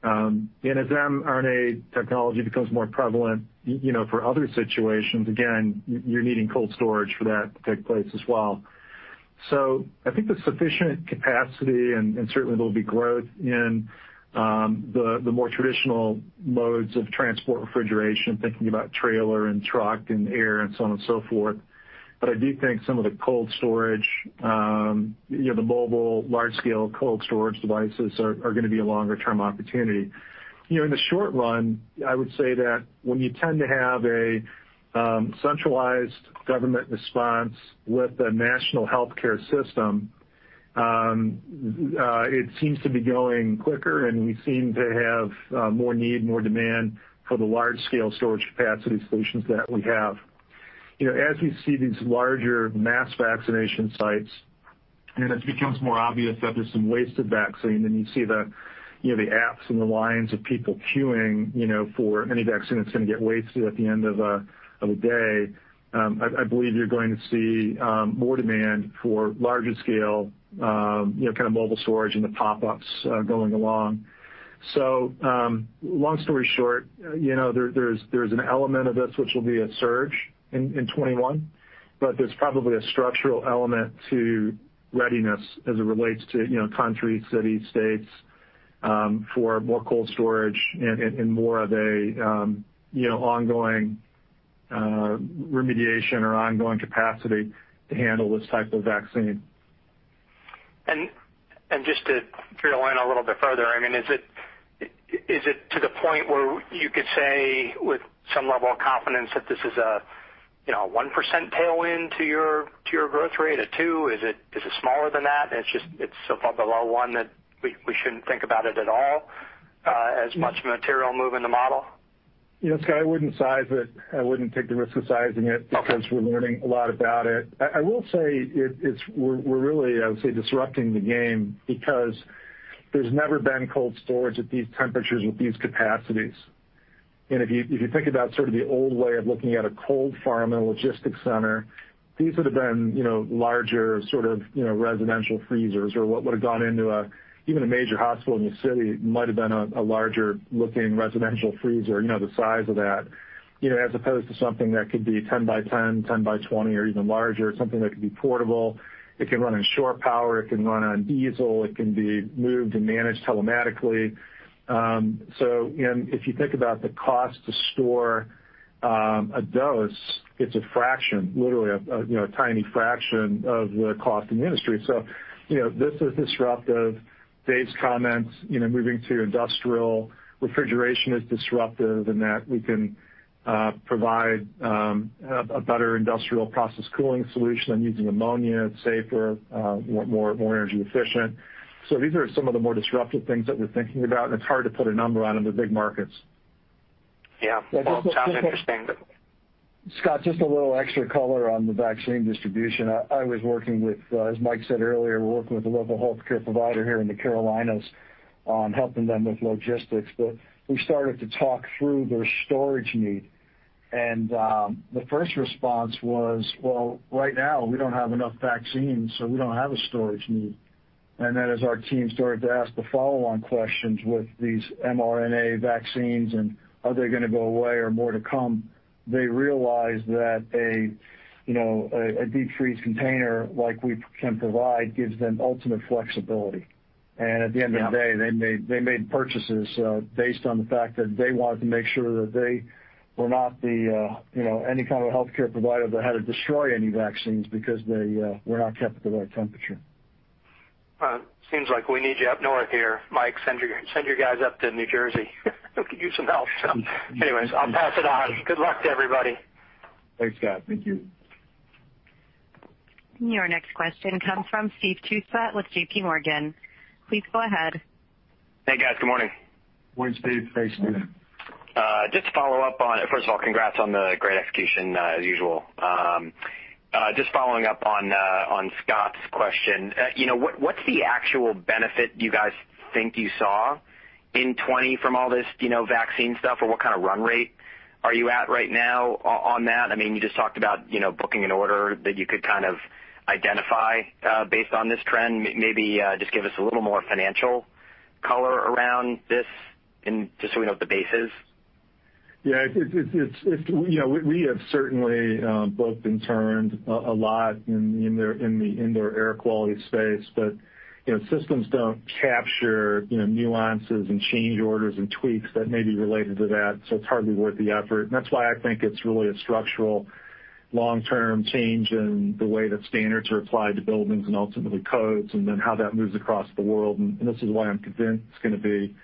[SPEAKER 3] As mRNA technology becomes more prevalent for other situations, again, you're needing cold storage for that to take place as well. I think there's sufficient capacity, and certainly there'll be growth in the more traditional modes of transport refrigeration, thinking about trailer and truck and air and so on and so forth. I do think some of the mobile large-scale cold storage devices are going to be a longer-term opportunity. In the short run, I would say that when you tend to have a centralized government response with a national healthcare system, it seems to be going quicker, and we seem to have more need, more demand for the large-scale storage capacity solutions that we have. As we see these larger mass vaccination sites, and it becomes more obvious that there's some wasted vaccine, then you see the apps and the lines of people queuing for any vaccine that's going to get wasted at the end of a day. I believe you're going to see more demand for larger scale mobile storage and the pop-ups going along. Long story short, there's an element of this which will be a surge in 2021, but there's probably a structural element to readiness as it relates to countries, cities, states for more cold storage and more of an ongoing remediation or ongoing capacity to handle this type of vaccine.
[SPEAKER 8] Just to drill in a little bit further, is it to the point where you could say with some level of confidence that this is a 1% tailwind to your growth rate, a 2%? Is it smaller than that? It's so far below one that we shouldn't think about it at all as much of a material move in the model?
[SPEAKER 3] Scott, I wouldn't size it. I wouldn't take the risk of sizing it because we're learning a lot about it. I will say we're really, I would say, disrupting the game because there's never been cold storage at these temperatures with these capacities. If you think about sort of the old way of looking at a cold chain in a logistics center, these would have been larger sort of residential freezers, or what would have gone into even a major hospital in the city might have been a larger looking residential freezer, the size of that as opposed to something that could be 10x10, 10x20, or even larger, something that could be portable. It can run on shore power, it can run on diesel, it can be moved and managed telematically. If you think about the cost to store a dose, it's a fraction, literally a tiny fraction of the cost in the industry. Dave's comments, moving to industrial refrigeration is disruptive in that we can provide a better industrial process cooling solution than using ammonia. It's safer, more energy efficient. These are some of the more disruptive things that we're thinking about, and it's hard to put a number on them. They're big markets.
[SPEAKER 8] Yeah. Well, it sounds interesting.
[SPEAKER 4] Scott, just a little extra color on the vaccine distribution. I was working with, as Mike said earlier, we're working with a local healthcare provider here in the Carolinas on helping them with logistics. But we started to talk through their storage need, and the first response was, "Well, right now, we don't have enough vaccines, so we don't have a storage need." Then as our team started to ask the follow-on questions with these mRNA vaccines and are they going to go away or more to come, they realized that a deep freeze container like we can provide gives them ultimate flexibility. And at the end of the day, they made purchases based on the fact that they wanted to make sure that they were not any kind of healthcare provider that had to destroy any vaccines because they were not kept at the right temperature.
[SPEAKER 8] Well, seems like we need you up north here. Mike, send your guys up to New Jersey who could use some help. Anyways, I'll pass it on. Good luck to everybody.
[SPEAKER 4] Thanks, Scott.
[SPEAKER 3] Thank you.
[SPEAKER 1] Your next question comes from Steve Tusa with JPMorgan. Please go ahead.
[SPEAKER 9] Hey, guys. Good morning.
[SPEAKER 4] Morning, Steve.
[SPEAKER 3] Hey, Steve.
[SPEAKER 9] First of all, congrats on the great execution as usual. Just following up on Scott's question. What's the actual benefit you guys think you saw in 2020 from all this vaccine stuff, or what kind of run rate are you at right now on that? You just talked about booking an order that you could kind of identify based on this trend. Just give us a little more financial color around this and just so we know what the base is.
[SPEAKER 3] Yeah. We have certainly booked and turned a lot in the indoor air quality space. Systems don't capture nuances and change orders and tweaks that may be related to that, so it's hardly worth the effort. That's why I think it's really a structural long-term change in the way that standards are applied to buildings and ultimately codes and then how that moves across the world. This is why I'm convinced it's going to be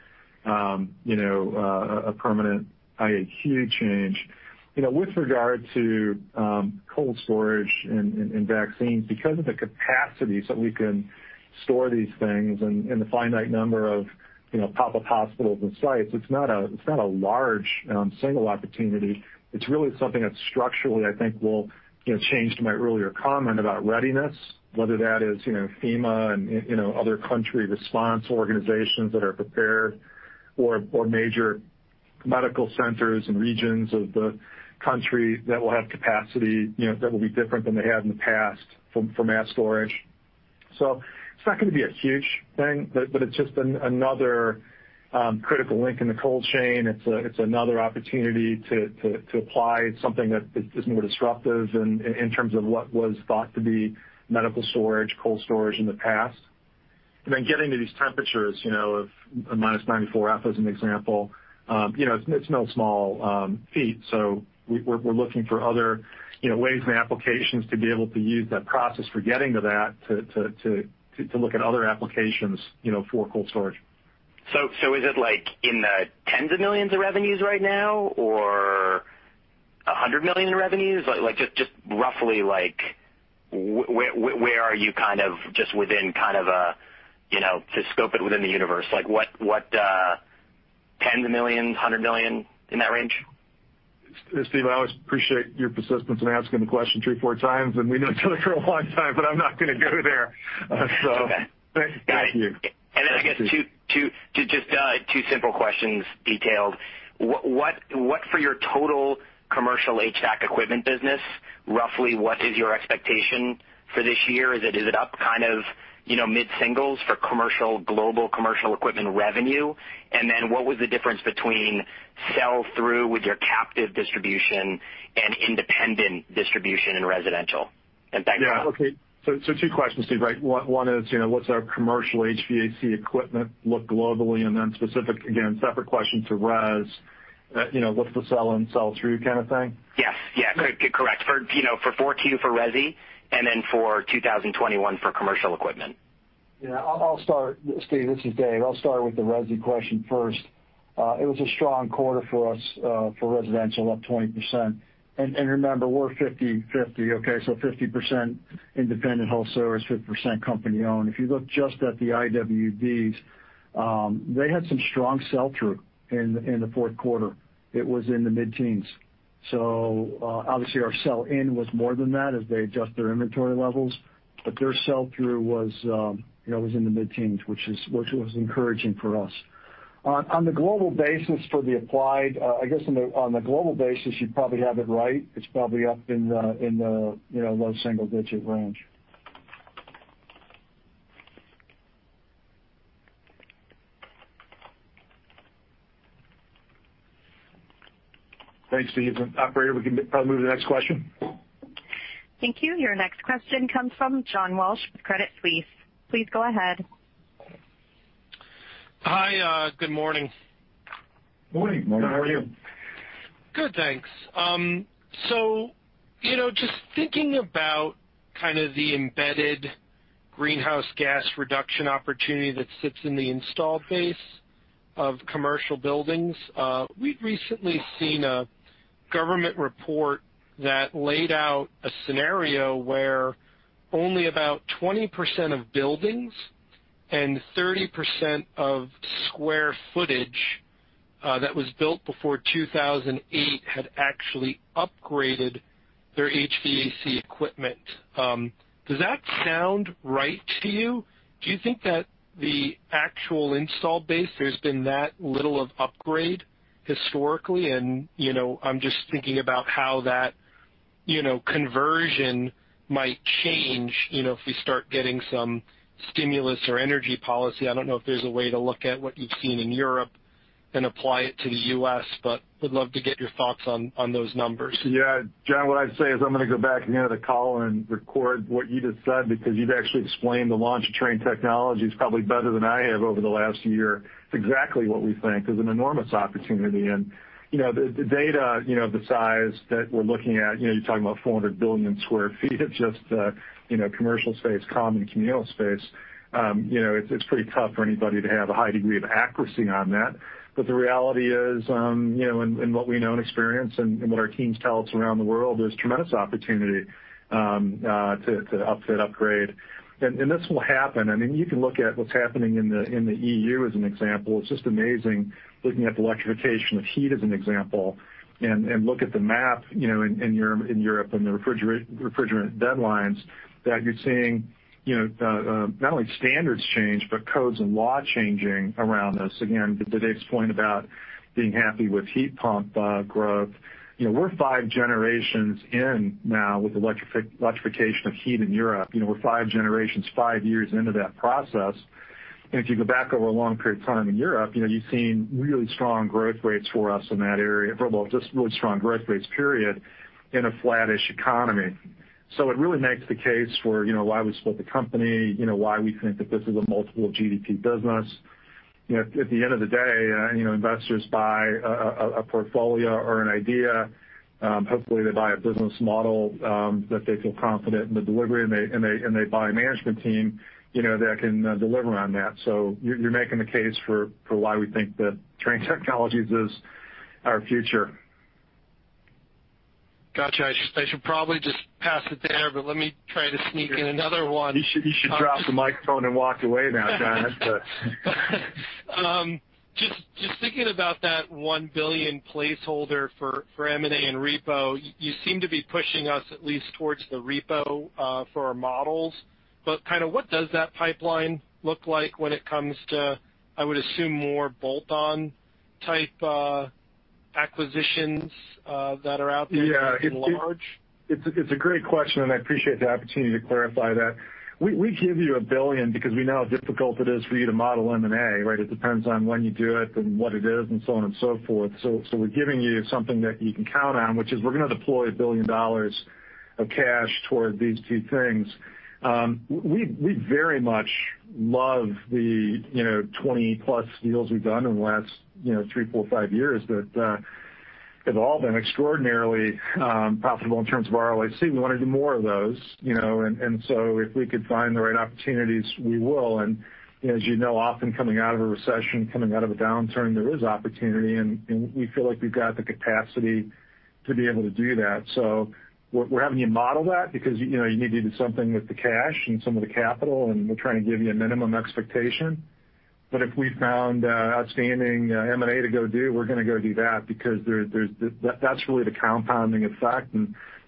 [SPEAKER 3] a permanent indoor air quality change. With regard to cold storage and vaccines, because of the capacity so we can store these things and the finite number of pop-up hospitals and sites, it's not a large single opportunity. It's really something that structurally, I think will change my earlier comment about readiness, whether that is FEMA and other country response organizations that are prepared or major medical centers and regions of the country that will have capacity, that will be different than they had in the past for mass storage. It's not going to be a huge thing, but it's just another critical link in the cold chain. It's another opportunity to apply something that is more disruptive in terms of what was thought to be medical storage, cold storage in the past. Getting to these temperatures, of minus 94 degrees Fahrenheit as an example, it's no small feat. We're looking for other ways and applications to be able to use that process for getting to that to look at other applications for cold storage.
[SPEAKER 9] Is it in the tens of millions of revenues right now or a hundred million in revenues? Just roughly, where are you kind of just within the universe, like what, tens of millions, hundred million, in that range?
[SPEAKER 3] Steve, I always appreciate your persistence in asking the question three, four times, and we've known each other for a long time, but I'm not going to go there.
[SPEAKER 9] Okay.
[SPEAKER 3] Thank you.
[SPEAKER 9] I guess two simple questions detailed. What for your total commercial HVAC equipment business, roughly what is your expectation for this year? Is it up kind of mid-singles for global commercial equipment revenue? What was the difference between sell-through with your captive distribution and independent distribution in residential? Thanks.
[SPEAKER 3] Yeah. Okay. Two questions, Steve, right? One is what's our commercial HVAC equipment look globally, and then specific, again, separate question to residential, what's the sell and sell-through kind of thing?
[SPEAKER 9] Yes. Correct. For 14 for residential and then for 2021 for commercial equipment.
[SPEAKER 4] Yeah, Steve, this is Dave. I'll start with the residential question first. It was a strong quarter for us, for residential, up 20%. Remember, we're 50/50, okay? 50% independent wholesalers, 50% company-owned. If you look just at the independent wholesale distributors, they had some strong sell-through in the fourth quarter. It was in the mid-teens. Obviously our sell in was more than that as they adjust their inventory levels. Their sell-through was in the mid-teens, which was encouraging for us. On the global basis for the applied, I guess on the global basis, you probably have it right. It's probably up in the low single-digit range.
[SPEAKER 3] Thanks, Steve. Operator, we can probably move to the next question.
[SPEAKER 1] Thank you. Your next question comes from John Walsh with Credit Suisse. Please go ahead.
[SPEAKER 10] Hi. Good morning.
[SPEAKER 3] Morning.
[SPEAKER 4] Morning.
[SPEAKER 3] How are you?
[SPEAKER 10] Good, thanks. Just thinking about kind of the embedded greenhouse gas reduction opportunity that sits in the installed base of commercial buildings, we've recently seen a government report that laid out a scenario where only about 20% of buildings and 30% of square footage that was built before 2008 had actually upgraded their HVAC equipment. Does that sound right to you? Do you think that the actual install base, there's been that little of upgrade historically? I'm just thinking about how that conversion might change if we start getting some stimulus or energy policy. I don't know if there's a way to look at what you've seen in Europe and apply it to the U.S., but would love to get your thoughts on those numbers.
[SPEAKER 3] John, what I'd say is I'm going to go back near the call and record what you just said because you've actually explained the launch of Trane Technologies probably better than I have over the last year. It's exactly what we think is an enormous opportunity. The data, the size that we're looking at, you're talking about 400 billion in square feet of just commercial space, common communal space. It's pretty tough for anybody to have a high degree of accuracy on that. The reality is, in what we know and experience and what our teams tell us around the world, there's tremendous opportunity to upgrade. This will happen. You can look at what's happening in the EU as an example. It's just amazing looking at the electrification of heat as an example, and look at the map in Europe and the refrigerant deadlines that you're seeing, not only standards change, but codes and law changing around us. Again, to Dave's point about being happy with heat pump growth. We're five generations in now with electrification of heat in Europe. We're five generations, five years into that process. If you go back over a long period of time in Europe, you've seen really strong growth rates for us in that area just really strong growth rates period in a flattish economy. It really makes the case for why we split the company, why we think that this is a multiple gross domestic product business. At the end of the day, investors buy a portfolio or an idea. Hopefully they buy a business model that they feel confident in the delivery, and they buy a management team that can deliver on that. You're making the case for why we think that Trane Technologies is our future.
[SPEAKER 10] Got you. I should probably just pass it there, but let me try to sneak in another one.
[SPEAKER 3] You should drop the microphone and walk away now, John. That's a.
[SPEAKER 10] Just thinking about that $1 billion placeholder for M&A and repo, you seem to be pushing us at least towards the repo for our models. What does that pipeline look like when it comes to, I would assume, more bolt-on type acquisitions that are out there in large?
[SPEAKER 3] Yeah. It's a great question, and I appreciate the opportunity to clarify that. We give you $1 billion because we know how difficult it is for you to model M&A, right? It depends on when you do it and what it is, and so on and so forth. We're giving you something that you can count on, which is we're going to deploy $1 billion of cash toward these two things. We very much love the 20+ deals we've done in the last three, four, five years that have all been extraordinarily profitable in terms of ROIC. We want to do more of those. If we could find the right opportunities, we will. As you know, often coming out of a recession, coming out of a downturn, there is opportunity, and we feel like we've got the capacity to be able to do that. We're having you model that because you need to do something with the cash and some of the capital, and we're trying to give you a minimum expectation. If we found outstanding M&A to go do, we're going to go do that because that's really the compounding effect.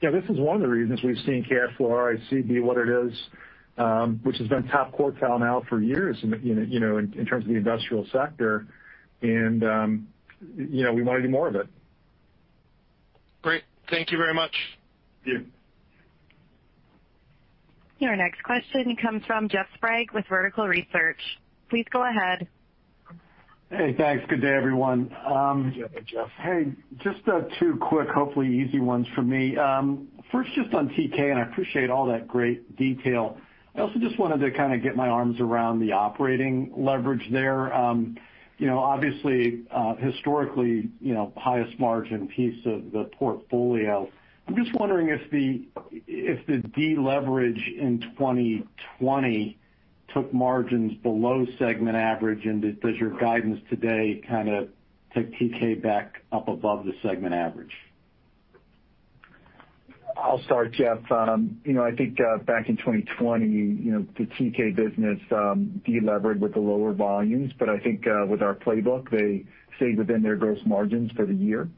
[SPEAKER 3] This is one of the reasons we've seen cash flow ROIC be what it is, which has been top quartile now for years in terms of the industrial sector, and we want to do more of it.
[SPEAKER 10] Great. Thank you very much.
[SPEAKER 3] Thank you.
[SPEAKER 1] Your next question comes from Jeff Sprague with Vertical Research. Please go ahead.
[SPEAKER 11] Hey, thanks. Good day, everyone.
[SPEAKER 3] Good Jeff.
[SPEAKER 11] Hey, just two quick, hopefully easy ones for me. First, just on Thermo King. I appreciate all that great detail. I also just wanted to kind of get my arms around the operating leverage there. Obviously, historically, highest margin piece of the portfolio. I'm just wondering if the deleverage in 2020 took margins below segment average, and does your guidance today kind of take TK back up above the segment average?
[SPEAKER 5] I'll start, Jeff. I think back in 2020, the TK business deleveraged with the lower volumes. I think with our playbook, they stayed within their gross margins for the year.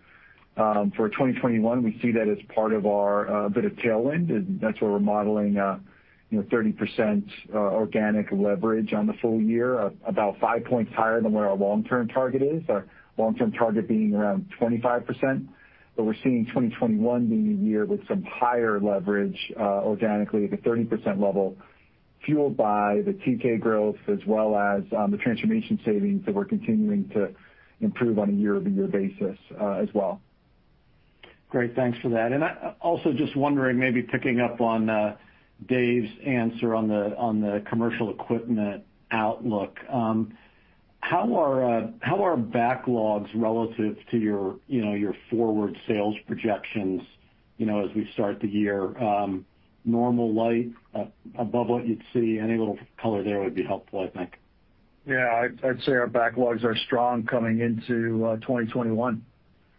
[SPEAKER 5] For 2021, we see that as part of our bit of tailwind, and that's where we're modeling 30% organic leverage on the full year, about five points higher than where our long-term target is. Our long-term target being around 25%. We're seeing 2021 being a year with some higher leverage organically at the 30% level, fueled by the TK growth as well as the transformation savings that we're continuing to improve on a year-over-year basis as well.
[SPEAKER 11] Great. Thanks for that. Also just wondering, maybe picking up on Dave's answer on the commercial equipment outlook. How are backlogs relative to your forward sales projections as we start the year? Normal light above what you'd see? Any little color there would be helpful, I think.
[SPEAKER 4] Yeah. I'd say our backlogs are strong coming into 2021.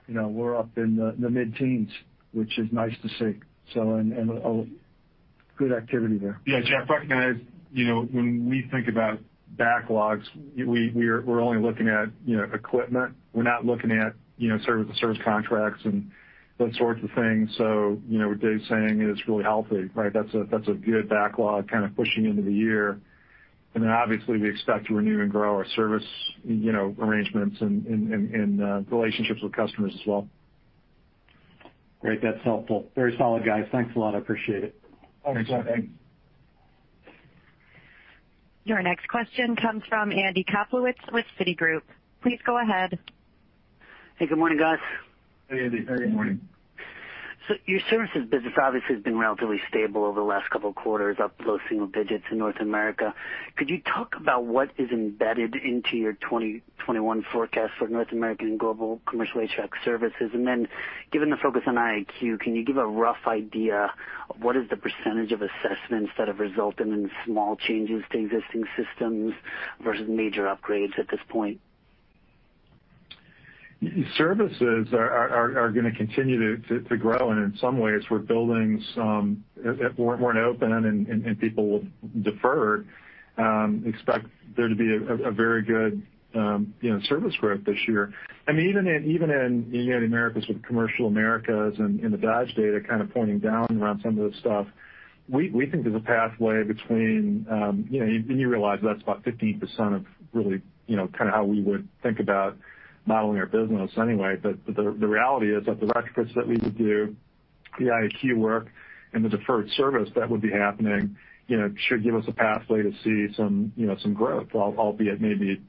[SPEAKER 4] We're up in the mid-teens, which is nice to see. Good activity there.
[SPEAKER 3] Yeah, Jeff, recognize when we think about backlogs, we're only looking at equipment. We're not looking at service contracts and those sorts of things. What Dave's saying is really healthy, right? That's a good backlog kind of pushing into the year. Obviously we expect to renew and grow our service arrangements and relationships with customers as well.
[SPEAKER 11] Great. That's helpful. Very solid, guys. Thanks a lot. I appreciate it.
[SPEAKER 3] Thanks, Jeff.
[SPEAKER 5] Thanks.
[SPEAKER 1] Your next question comes from Andy Kaplowitz with Citigroup. Please go ahead.
[SPEAKER 12] Hey, good morning, guys.
[SPEAKER 3] Hey, Andy.
[SPEAKER 5] Good morning.
[SPEAKER 12] Your services business obviously has been relatively stable over the last couple of quarters, up low single digits in North America. Could you talk about what is embedded into your 2021 forecast for North American and global commercial HVAC services? Then given the focus on IAQ, can you give a rough idea of what is the % of assessments that have resulted in small changes to existing systems versus major upgrades at this point?
[SPEAKER 3] Services are going to continue to grow, and in some ways we're building some. Weren't open and people deferred. Expect there to be a very good service growth this year. Even in [Residential HVAC Americas] with Commercial Americas and the Dodge data kind of pointing down around some of this stuff, we think there's a pathway. You realize that's about 15% of really kind of how we would think about modeling our business anyway. The reality is that the retrofits that we would do, the IAQ work and the deferred service that would be happening should give us a pathway to see some growth, albeit maybe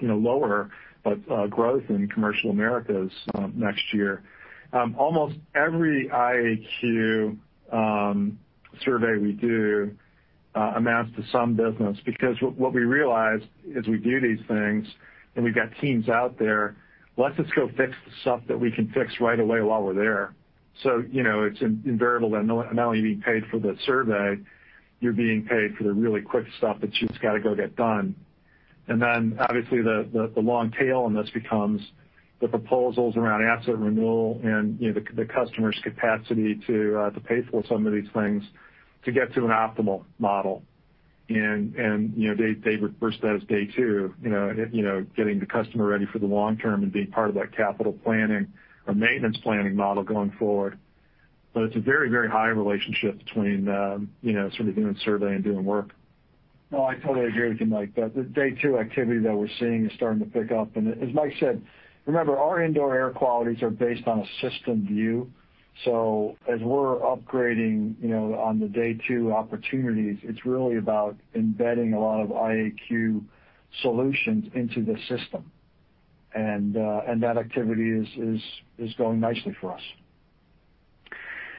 [SPEAKER 3] lower, but growth in Commercial Americas next year. Almost every IAQ survey we do amounts to some business, because what we realized as we do these things and we've got teams out there, let us go fix the stuff that we can fix right away while we're there. It's invariable that not only are you being paid for the survey, you're being paid for the really quick stuff that you just got to go get done. Obviously the long tail on this becomes the proposals around asset renewal and the customer's capacity to pay for some of these things to get to an optimal model. They refer to that as day two, getting the customer ready for the long term and being part of that capital planning or maintenance planning model going forward. It's a very high relationship between sort of doing a survey and doing work.
[SPEAKER 4] No, I totally agree with you, Mike. The day two activity that we're seeing is starting to pick up. As Mike said, remember our indoor air quality are based on a system view. As we're upgrading on the day two opportunities, it's really about embedding a lot of IAQ solutions into the system. That activity is going nicely for us.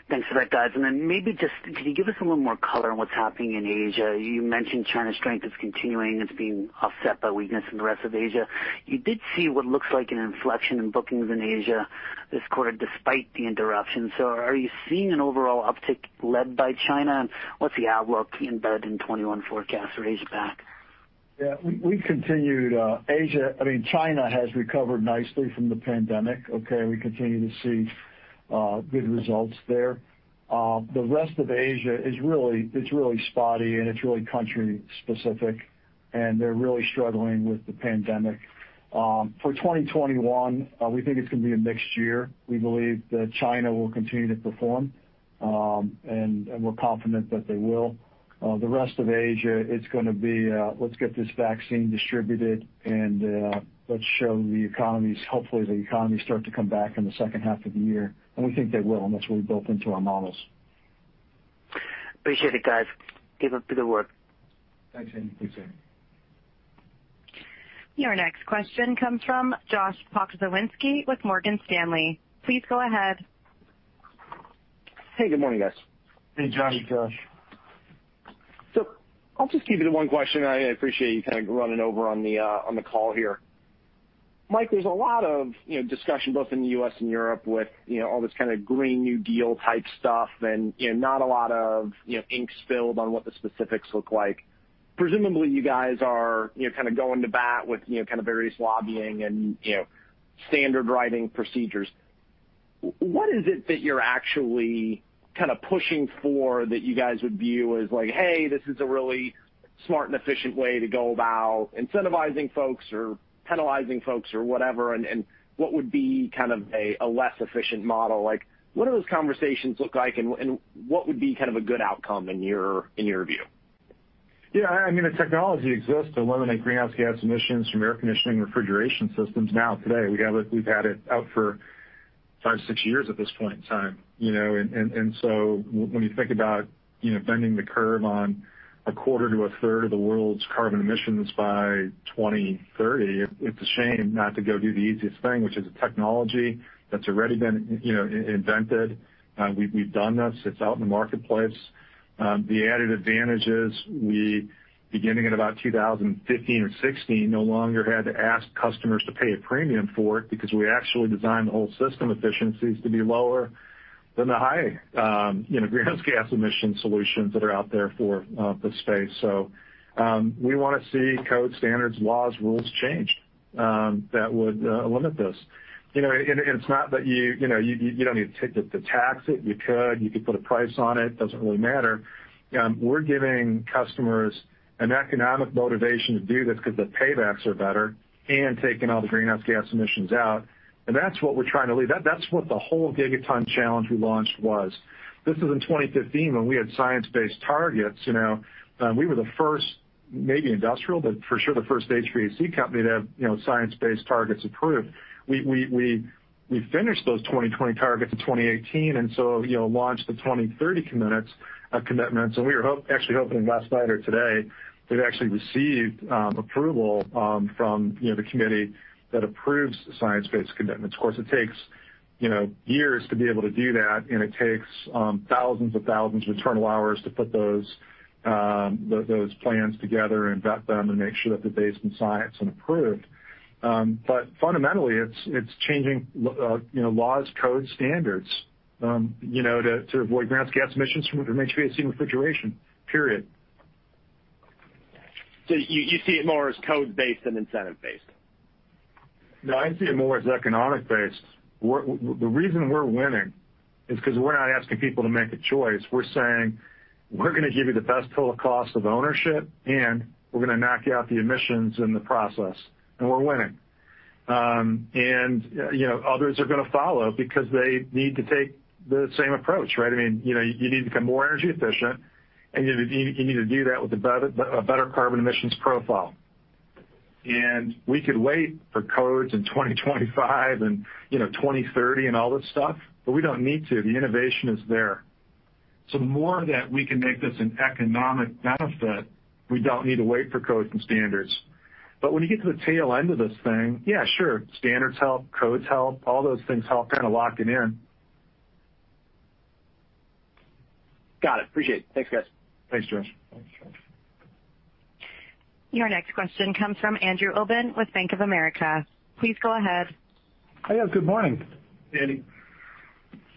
[SPEAKER 12] Thanks for that, guys. Then maybe just could you give us a little more color on what's happening in Asia? You mentioned China's strength is continuing. It's being offset by weakness in the rest of Asia. You did see what looks like an inflection in bookings in Asia this quarter, despite the interruption. Are you seeing an overall uptick led by China? What's the outlook embedded in 2021 forecast for Asia Pacific?
[SPEAKER 4] Yeah. China has recovered nicely from the pandemic. Okay? We continue to see good results there. The rest of Asia it's really spotty, and it's really country specific, and they're really struggling with the pandemic. For 2021, we think it's going to be a mixed year. We believe that China will continue to perform, and we're confident that they will. The rest of Asia, it's going to be, let's get this vaccine distributed and let's show the economies. Hopefully, the economies start to come back in the second half of the year, and we think they will, and that's what we built into our models.
[SPEAKER 12] Appreciate it, guys. Keep up the good work.
[SPEAKER 4] Thanks, Andy.
[SPEAKER 3] Thanks, Andy.
[SPEAKER 1] Your next question comes from Josh Pokrzywinski with Morgan Stanley. Please go ahead.
[SPEAKER 13] Hey, good morning, guys.
[SPEAKER 4] Hey, Josh.
[SPEAKER 3] Hey, Josh.
[SPEAKER 13] I'll just keep it to one question. I appreciate you kind of running over on the call here. Mike, there's a lot of discussion both in the U.S. and Europe with all this kind of Green New Deal type stuff, and not a lot of ink spilled on what the specifics look like. Presumably, you guys are kind of going to bat with kind of various lobbying and standard writing procedures. What is it that you're actually kind of pushing for that you guys would view as like, hey, this is a really smart and efficient way to go about incentivizing folks or penalizing folks or whatever, and what would be kind of a less efficient model? What do those conversations look like, and what would be kind of a good outcome in your view?
[SPEAKER 3] The technology exists to eliminate greenhouse gas emissions from air conditioning and refrigeration systems now, today. We've had it out for five, six years at this point in time. When you think about bending the curve on a quarter to a third of the world's carbon emissions by 2030, it's a shame not to go do the easiest thing, which is a technology that's already been invented. We've done this. It's out in the marketplace. The added advantage is we, beginning in about 2015 or 2016, no longer had to ask customers to pay a premium for it because we actually designed the whole system efficiencies to be lower than the high greenhouse gas emission solutions that are out there for the space. We want to see code standards, laws, rules changed that would limit this. You don't need to tax it. You could. You could put a price on it. Doesn't really matter. We're giving customers an economic motivation to do this because the paybacks are better and taking all the greenhouse gas emissions out, and that's what we're trying to lead. That's what the whole Gigaton Challenge we launched was. This was in 2015, when we had science-based targets. We were the first maybe industrial, but for sure the first HVAC company to have science-based targets approved. We finished those 2020 targets in 2018, launched the 2030 commitments. We were actually hoping last night or today that we'd actually received approval from the committee that approves science-based commitments. Of course, it takes years to be able to do that, and it takes thousands of internal hours to put those plans together and vet them and make sure that they're based in science and approved. Fundamentally it's changing laws, codes, standards to avoid greenhouse gas emissions from HVAC and refrigeration, period.
[SPEAKER 13] You see it more as code-based than incentive-based?
[SPEAKER 3] No, I see it more as economic-based. The reason we're winning is because we're not asking people to make a choice. We're saying, "We're going to give you the best total cost of ownership, and we're going to knock you out the emissions in the process," and we're winning. Others are going to follow because they need to take the same approach, right? You need to become more energy efficient, and you need to do that with a better carbon emissions profile. We could wait for codes in 2025 and 2030 and all this stuff, but we don't need to. The innovation is there. The more that we can make this an economic benefit, we don't need to wait for codes and standards. When you get to the tail end of this thing, yeah, sure, standards help, codes help, all those things help kind of lock it in.
[SPEAKER 13] Got it. Appreciate it. Thanks, guys.
[SPEAKER 3] Thanks, Josh.
[SPEAKER 4] Thanks, Josh.
[SPEAKER 1] Your next question comes from Andrew Obin with Bank of America. Please go ahead.
[SPEAKER 14] Hey, guys. Good morning.
[SPEAKER 4] Hey,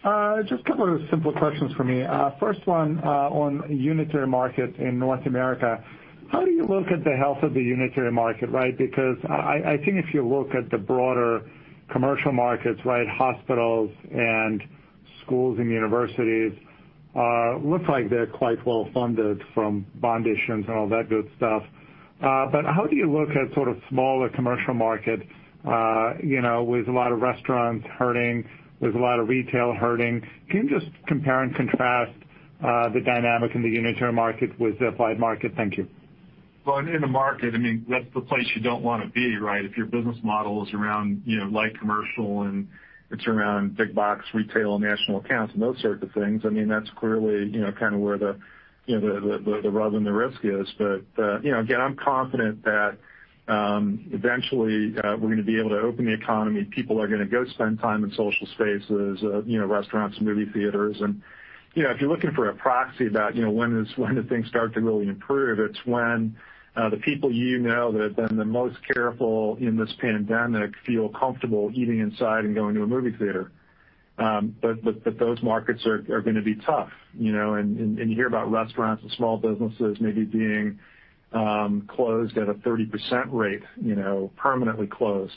[SPEAKER 4] Andrew.
[SPEAKER 14] Just a couple of simple questions from me. First one on unitary market in North America. How do you look at the health of the unitary market, right? I think if you look at the broader commercial markets, hospitals and schools and universities, looks like they're quite well-funded from bond issuance and all that good stuff. How do you look at sort of smaller commercial markets, with a lot of restaurants hurting, with a lot of retail hurting? Can you just compare and contrast the dynamic in the unitary market with the applied market? Thank you.
[SPEAKER 3] Well, in the market, that's the place you don't want to be, right? If your business model is around light commercial and it's around big box retail, national accounts, and those sorts of things, that's clearly kind of where the rub and the risk is. Again, I'm confident that eventually we're going to be able to open the economy. People are going to go spend time in social spaces, restaurants and movie theaters. If you're looking for a proxy about when do things start to really improve, it's when the people you know that have been the most careful in this pandemic feel comfortable eating inside and going to a movie theater. Those markets are going to be tough, and you hear about restaurants and small businesses maybe being closed at a 30% rate, permanently closed.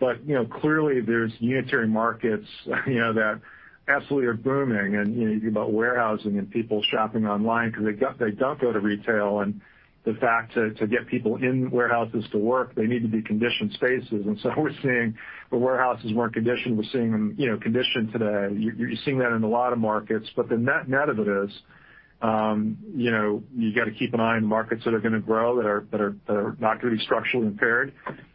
[SPEAKER 3] Clearly, there's unitary markets that absolutely are booming, and you think about warehousing and people shopping online because they don't go to retail, and the fact to get people in warehouses to work, they need to be conditioned spaces. We're seeing the warehouses weren't conditioned. We're seeing them conditioned today. You're seeing that in a lot of markets, but the net of it is, you got to keep an eye on markets that are going to grow, that are not going to be structurally impaired.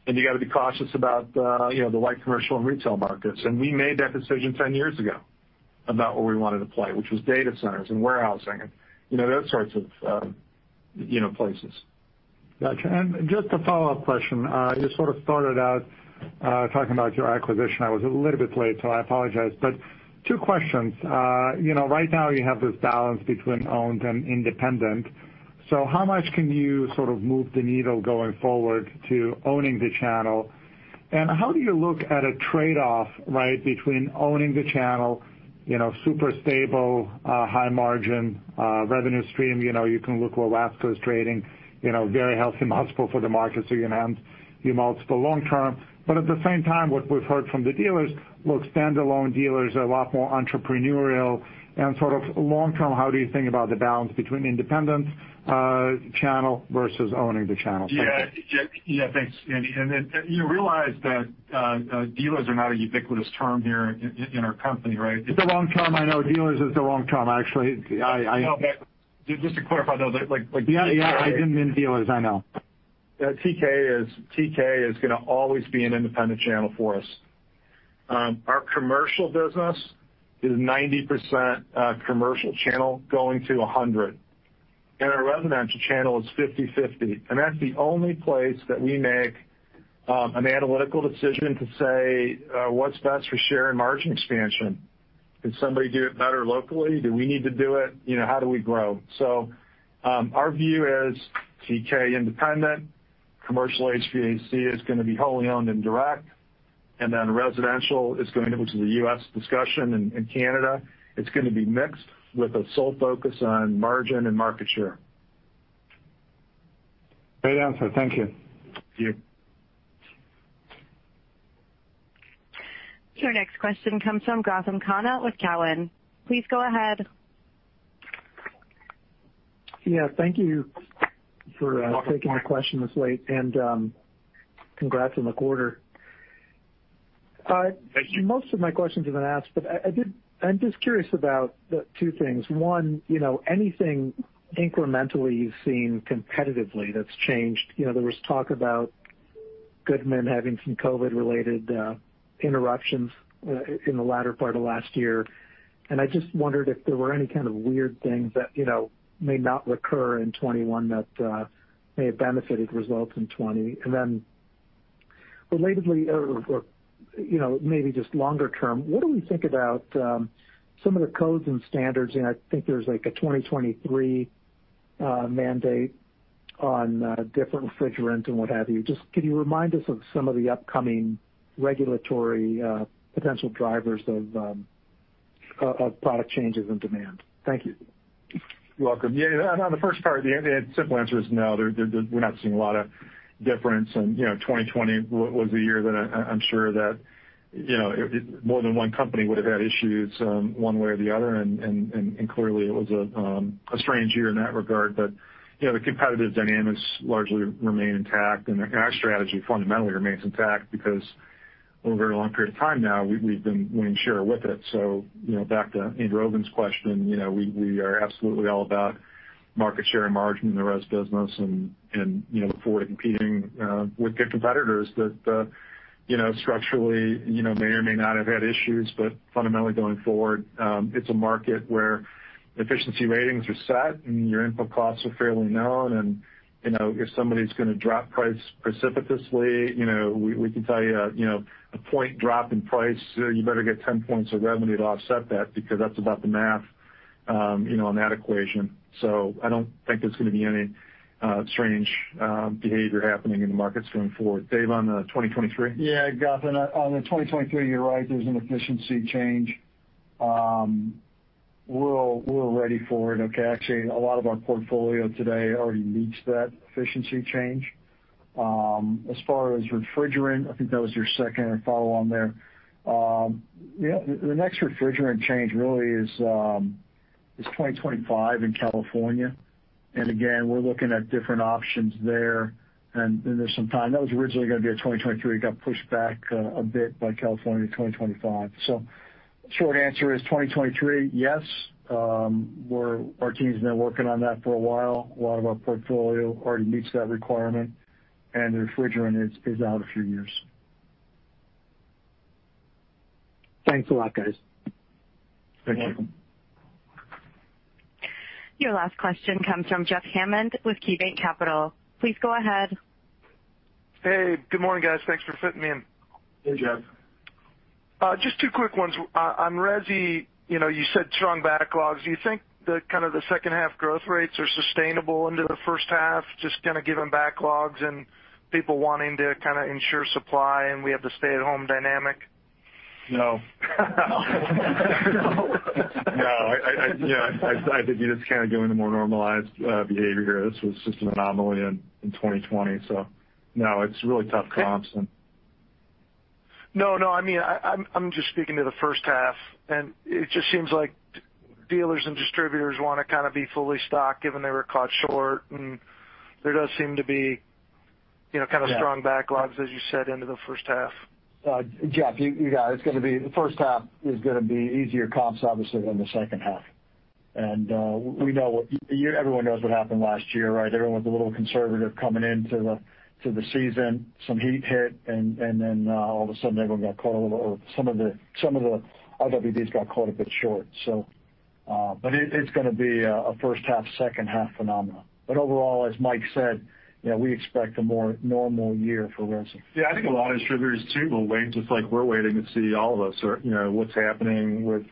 [SPEAKER 3] You got to be cautious about the light commercial and retail markets. We made that decision 10 years ago about where we wanted to play, which was data centers and warehousing and those sorts of places.
[SPEAKER 14] Got you. Just a follow-up question. You sort of started out talking about your acquisition. I was a little bit late, so I apologize, but two questions. Right now you have this balance between owned and independent. How much can you sort of move the needle going forward to owning the channel? How do you look at a trade-off between owning the channel, super stable, high margin, revenue stream. You can look where Watsco is trading, very healthy multiple for the market, so you're going to have the multiple long term. At the same time, what we've heard from the dealers, look, standalone dealers are a lot more entrepreneurial and sort of long term, how do you think about the balance between independent channel versus owning the channel? Thank you.
[SPEAKER 3] Yeah. Thanks, Andrew. You realize that dealers are not a ubiquitous term here in our company, right?
[SPEAKER 14] It's the wrong term, I know. Dealers is the wrong term, actually.
[SPEAKER 3] No, but just to clarify, though.
[SPEAKER 14] Yeah. I didn't mean dealers, I know.
[SPEAKER 3] TK is going to always be an independent channel for us. Our commercial business is 90% commercial channel going to 100%. Our residential channel is 50/50. That's the only place that we make an analytical decision to say what's best for share and margin expansion. Can somebody do it better locally? Do we need to do it? How do we grow? Our view is TK independent, commercial HVAC is going to be wholly owned and direct, residential is going to, which is a U.S. discussion, in Canada, it's going to be mixed with a sole focus on margin and market share.
[SPEAKER 14] Great answer. Thank you.
[SPEAKER 3] Thank you.
[SPEAKER 1] Your next question comes from Gautam Khanna with TD Cowen. Please go ahead.
[SPEAKER 15] Yeah. Thank you for taking my question this late, and congrats on the quarter.
[SPEAKER 3] Thank you.
[SPEAKER 15] Most of my questions have been asked, but I'm just curious about two things. One, anything incrementally you've seen competitively that's changed. There was talk about Goodman having some COVID-related interruptions in the latter part of last year. I just wondered if there were any kind of weird things that may not recur in 2021 that may have benefited results in 2020. Relatedly, or maybe just longer term, what do we think about some of the codes and standards? I think there's like a 2023 mandate on different refrigerant and what have you. Just can you remind us of some of the upcoming regulatory potential drivers of product changes and demand? Thank you.
[SPEAKER 3] You're welcome. Yeah. On the first part, the simple answer is no. We're not seeing a lot of difference. 2020 was a year that I'm sure that more than one company would have had issues one way or the other. Clearly it was a strange year in that regard. The competitive dynamics largely remain intact. Our strategy fundamentally remains intact because over a long period of time now, we've been winning share with it. Back to Andrew Obin's question, we are absolutely all about market share and margin in the res business and forward competing with competitors that structurally may or may not have had issues, but fundamentally going forward, it's a market where efficiency ratings are set and your input costs are fairly known, and if somebody's going to drop price precipitously, we can tell you a point drop in price, you better get 10 points of revenue to offset that because that's about the math On that equation. I don't think there's going to be any strange behavior happening in the markets going forward. Dave, on the 2023?
[SPEAKER 4] Yeah, Gautam, on the 2023, you're right. There's an efficiency change. We're ready for it, okay? Actually, a lot of our portfolio today already meets that efficiency change. As far as refrigerant, I think that was your second follow-on there. The next refrigerant change really is 2025 in California. Again, we're looking at different options there, and there's some time. That was originally going to be a 2023, it got pushed back a bit by California to 2025. The short answer is 2023, yes. Our team's been working on that for a while. A lot of our portfolio already meets that requirement, and the refrigerant is out a few years.
[SPEAKER 15] Thanks a lot, guys.
[SPEAKER 4] Thank you.
[SPEAKER 1] Your last question comes from Jeff Hammond with KeyBanc Capital. Please go ahead.
[SPEAKER 16] Hey, good morning, guys. Thanks for fitting me in.
[SPEAKER 3] Hey, Jeff.
[SPEAKER 16] Just two quick ones. On residential, you said strong backlogs. Do you think the second half growth rates are sustainable into the first half, just kind of given backlogs and people wanting to kind of ensure supply and we have the stay-at-home dynamic?
[SPEAKER 3] No. No, I think you're just kind of going to more normalized behavior here. This was just an anomaly in 2020. No, it's really tough comps.
[SPEAKER 16] No, I mean, I'm just speaking to the first half, and it just seems like dealers and distributors want to kind of be fully stocked given they were caught short, and there does seem to be kind of strong backlogs, as you said, into the first half.
[SPEAKER 4] Jeff, you got it. The first half is going to be easier comps, obviously, than the second half. Everyone knows what happened last year, right? Everyone's a little conservative coming into the season. Some heat hit, all of a sudden everyone got caught a little, or some of the IWDs got caught a bit short. It's going to be a first half, second half phenomenon. Overall, as Mike said, we expect a more normal year for residential.
[SPEAKER 3] Yeah, I think a lot of distributors too will wait, just like we're waiting to see, all of us, what's happening with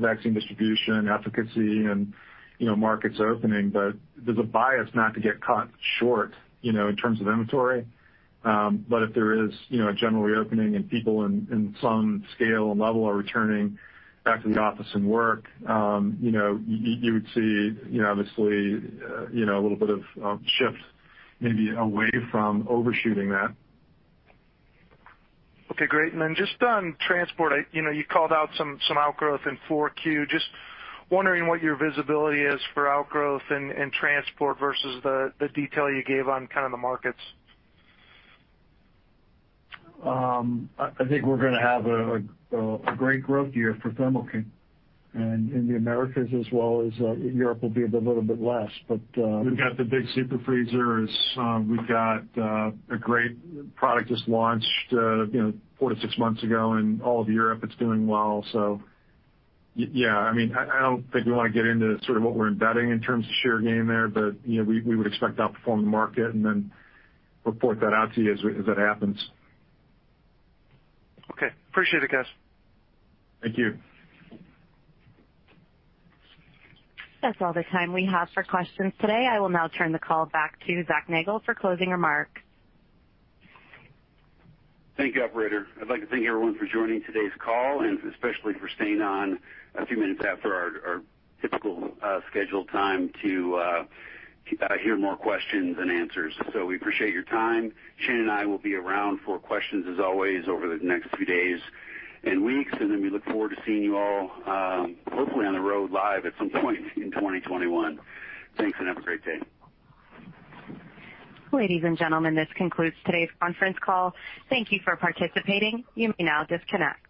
[SPEAKER 3] vaccine distribution, efficacy, and markets opening. There's a bias not to get caught short in terms of inventory. If there is a general reopening and people in some scale and level are returning back to the office and work, you would see, obviously, a little bit of shift maybe away from overshooting that.
[SPEAKER 16] Okay, great. Just on transport. You called out some outgrowth in 4Q. Just wondering what your visibility is for outgrowth in transport versus the detail you gave on kind of the markets.
[SPEAKER 4] I think we're going to have a great growth year for Thermo King and in the Americas as well, as Europe will be a little bit less.
[SPEAKER 3] We've got the big super freezers. We've got a great product just launched four to six months ago, and all of Europe, it's doing well. Yeah. I don't think we want to get into sort of what we're embedding in terms of share gain there, but we would expect to outperform the market and then report that out to you as it happens.
[SPEAKER 16] Okay. Appreciate it, guys.
[SPEAKER 3] Thank you.
[SPEAKER 1] That's all the time we have for questions today. I will now turn the call back to Zac Nagle for closing remarks.
[SPEAKER 2] Thank you, operator. I'd like to thank everyone for joining today's call, and especially for staying on a few minutes after our typical scheduled time to hear more questions and answers. We appreciate your time. Shane and I will be around for questions, as always, over the next few days and weeks, we look forward to seeing you all, hopefully on the road live at some point in 2021. Thanks, and have a great day.
[SPEAKER 1] Ladies and gentlemen, this concludes today's conference call. Thank you for participating. You may now disconnect.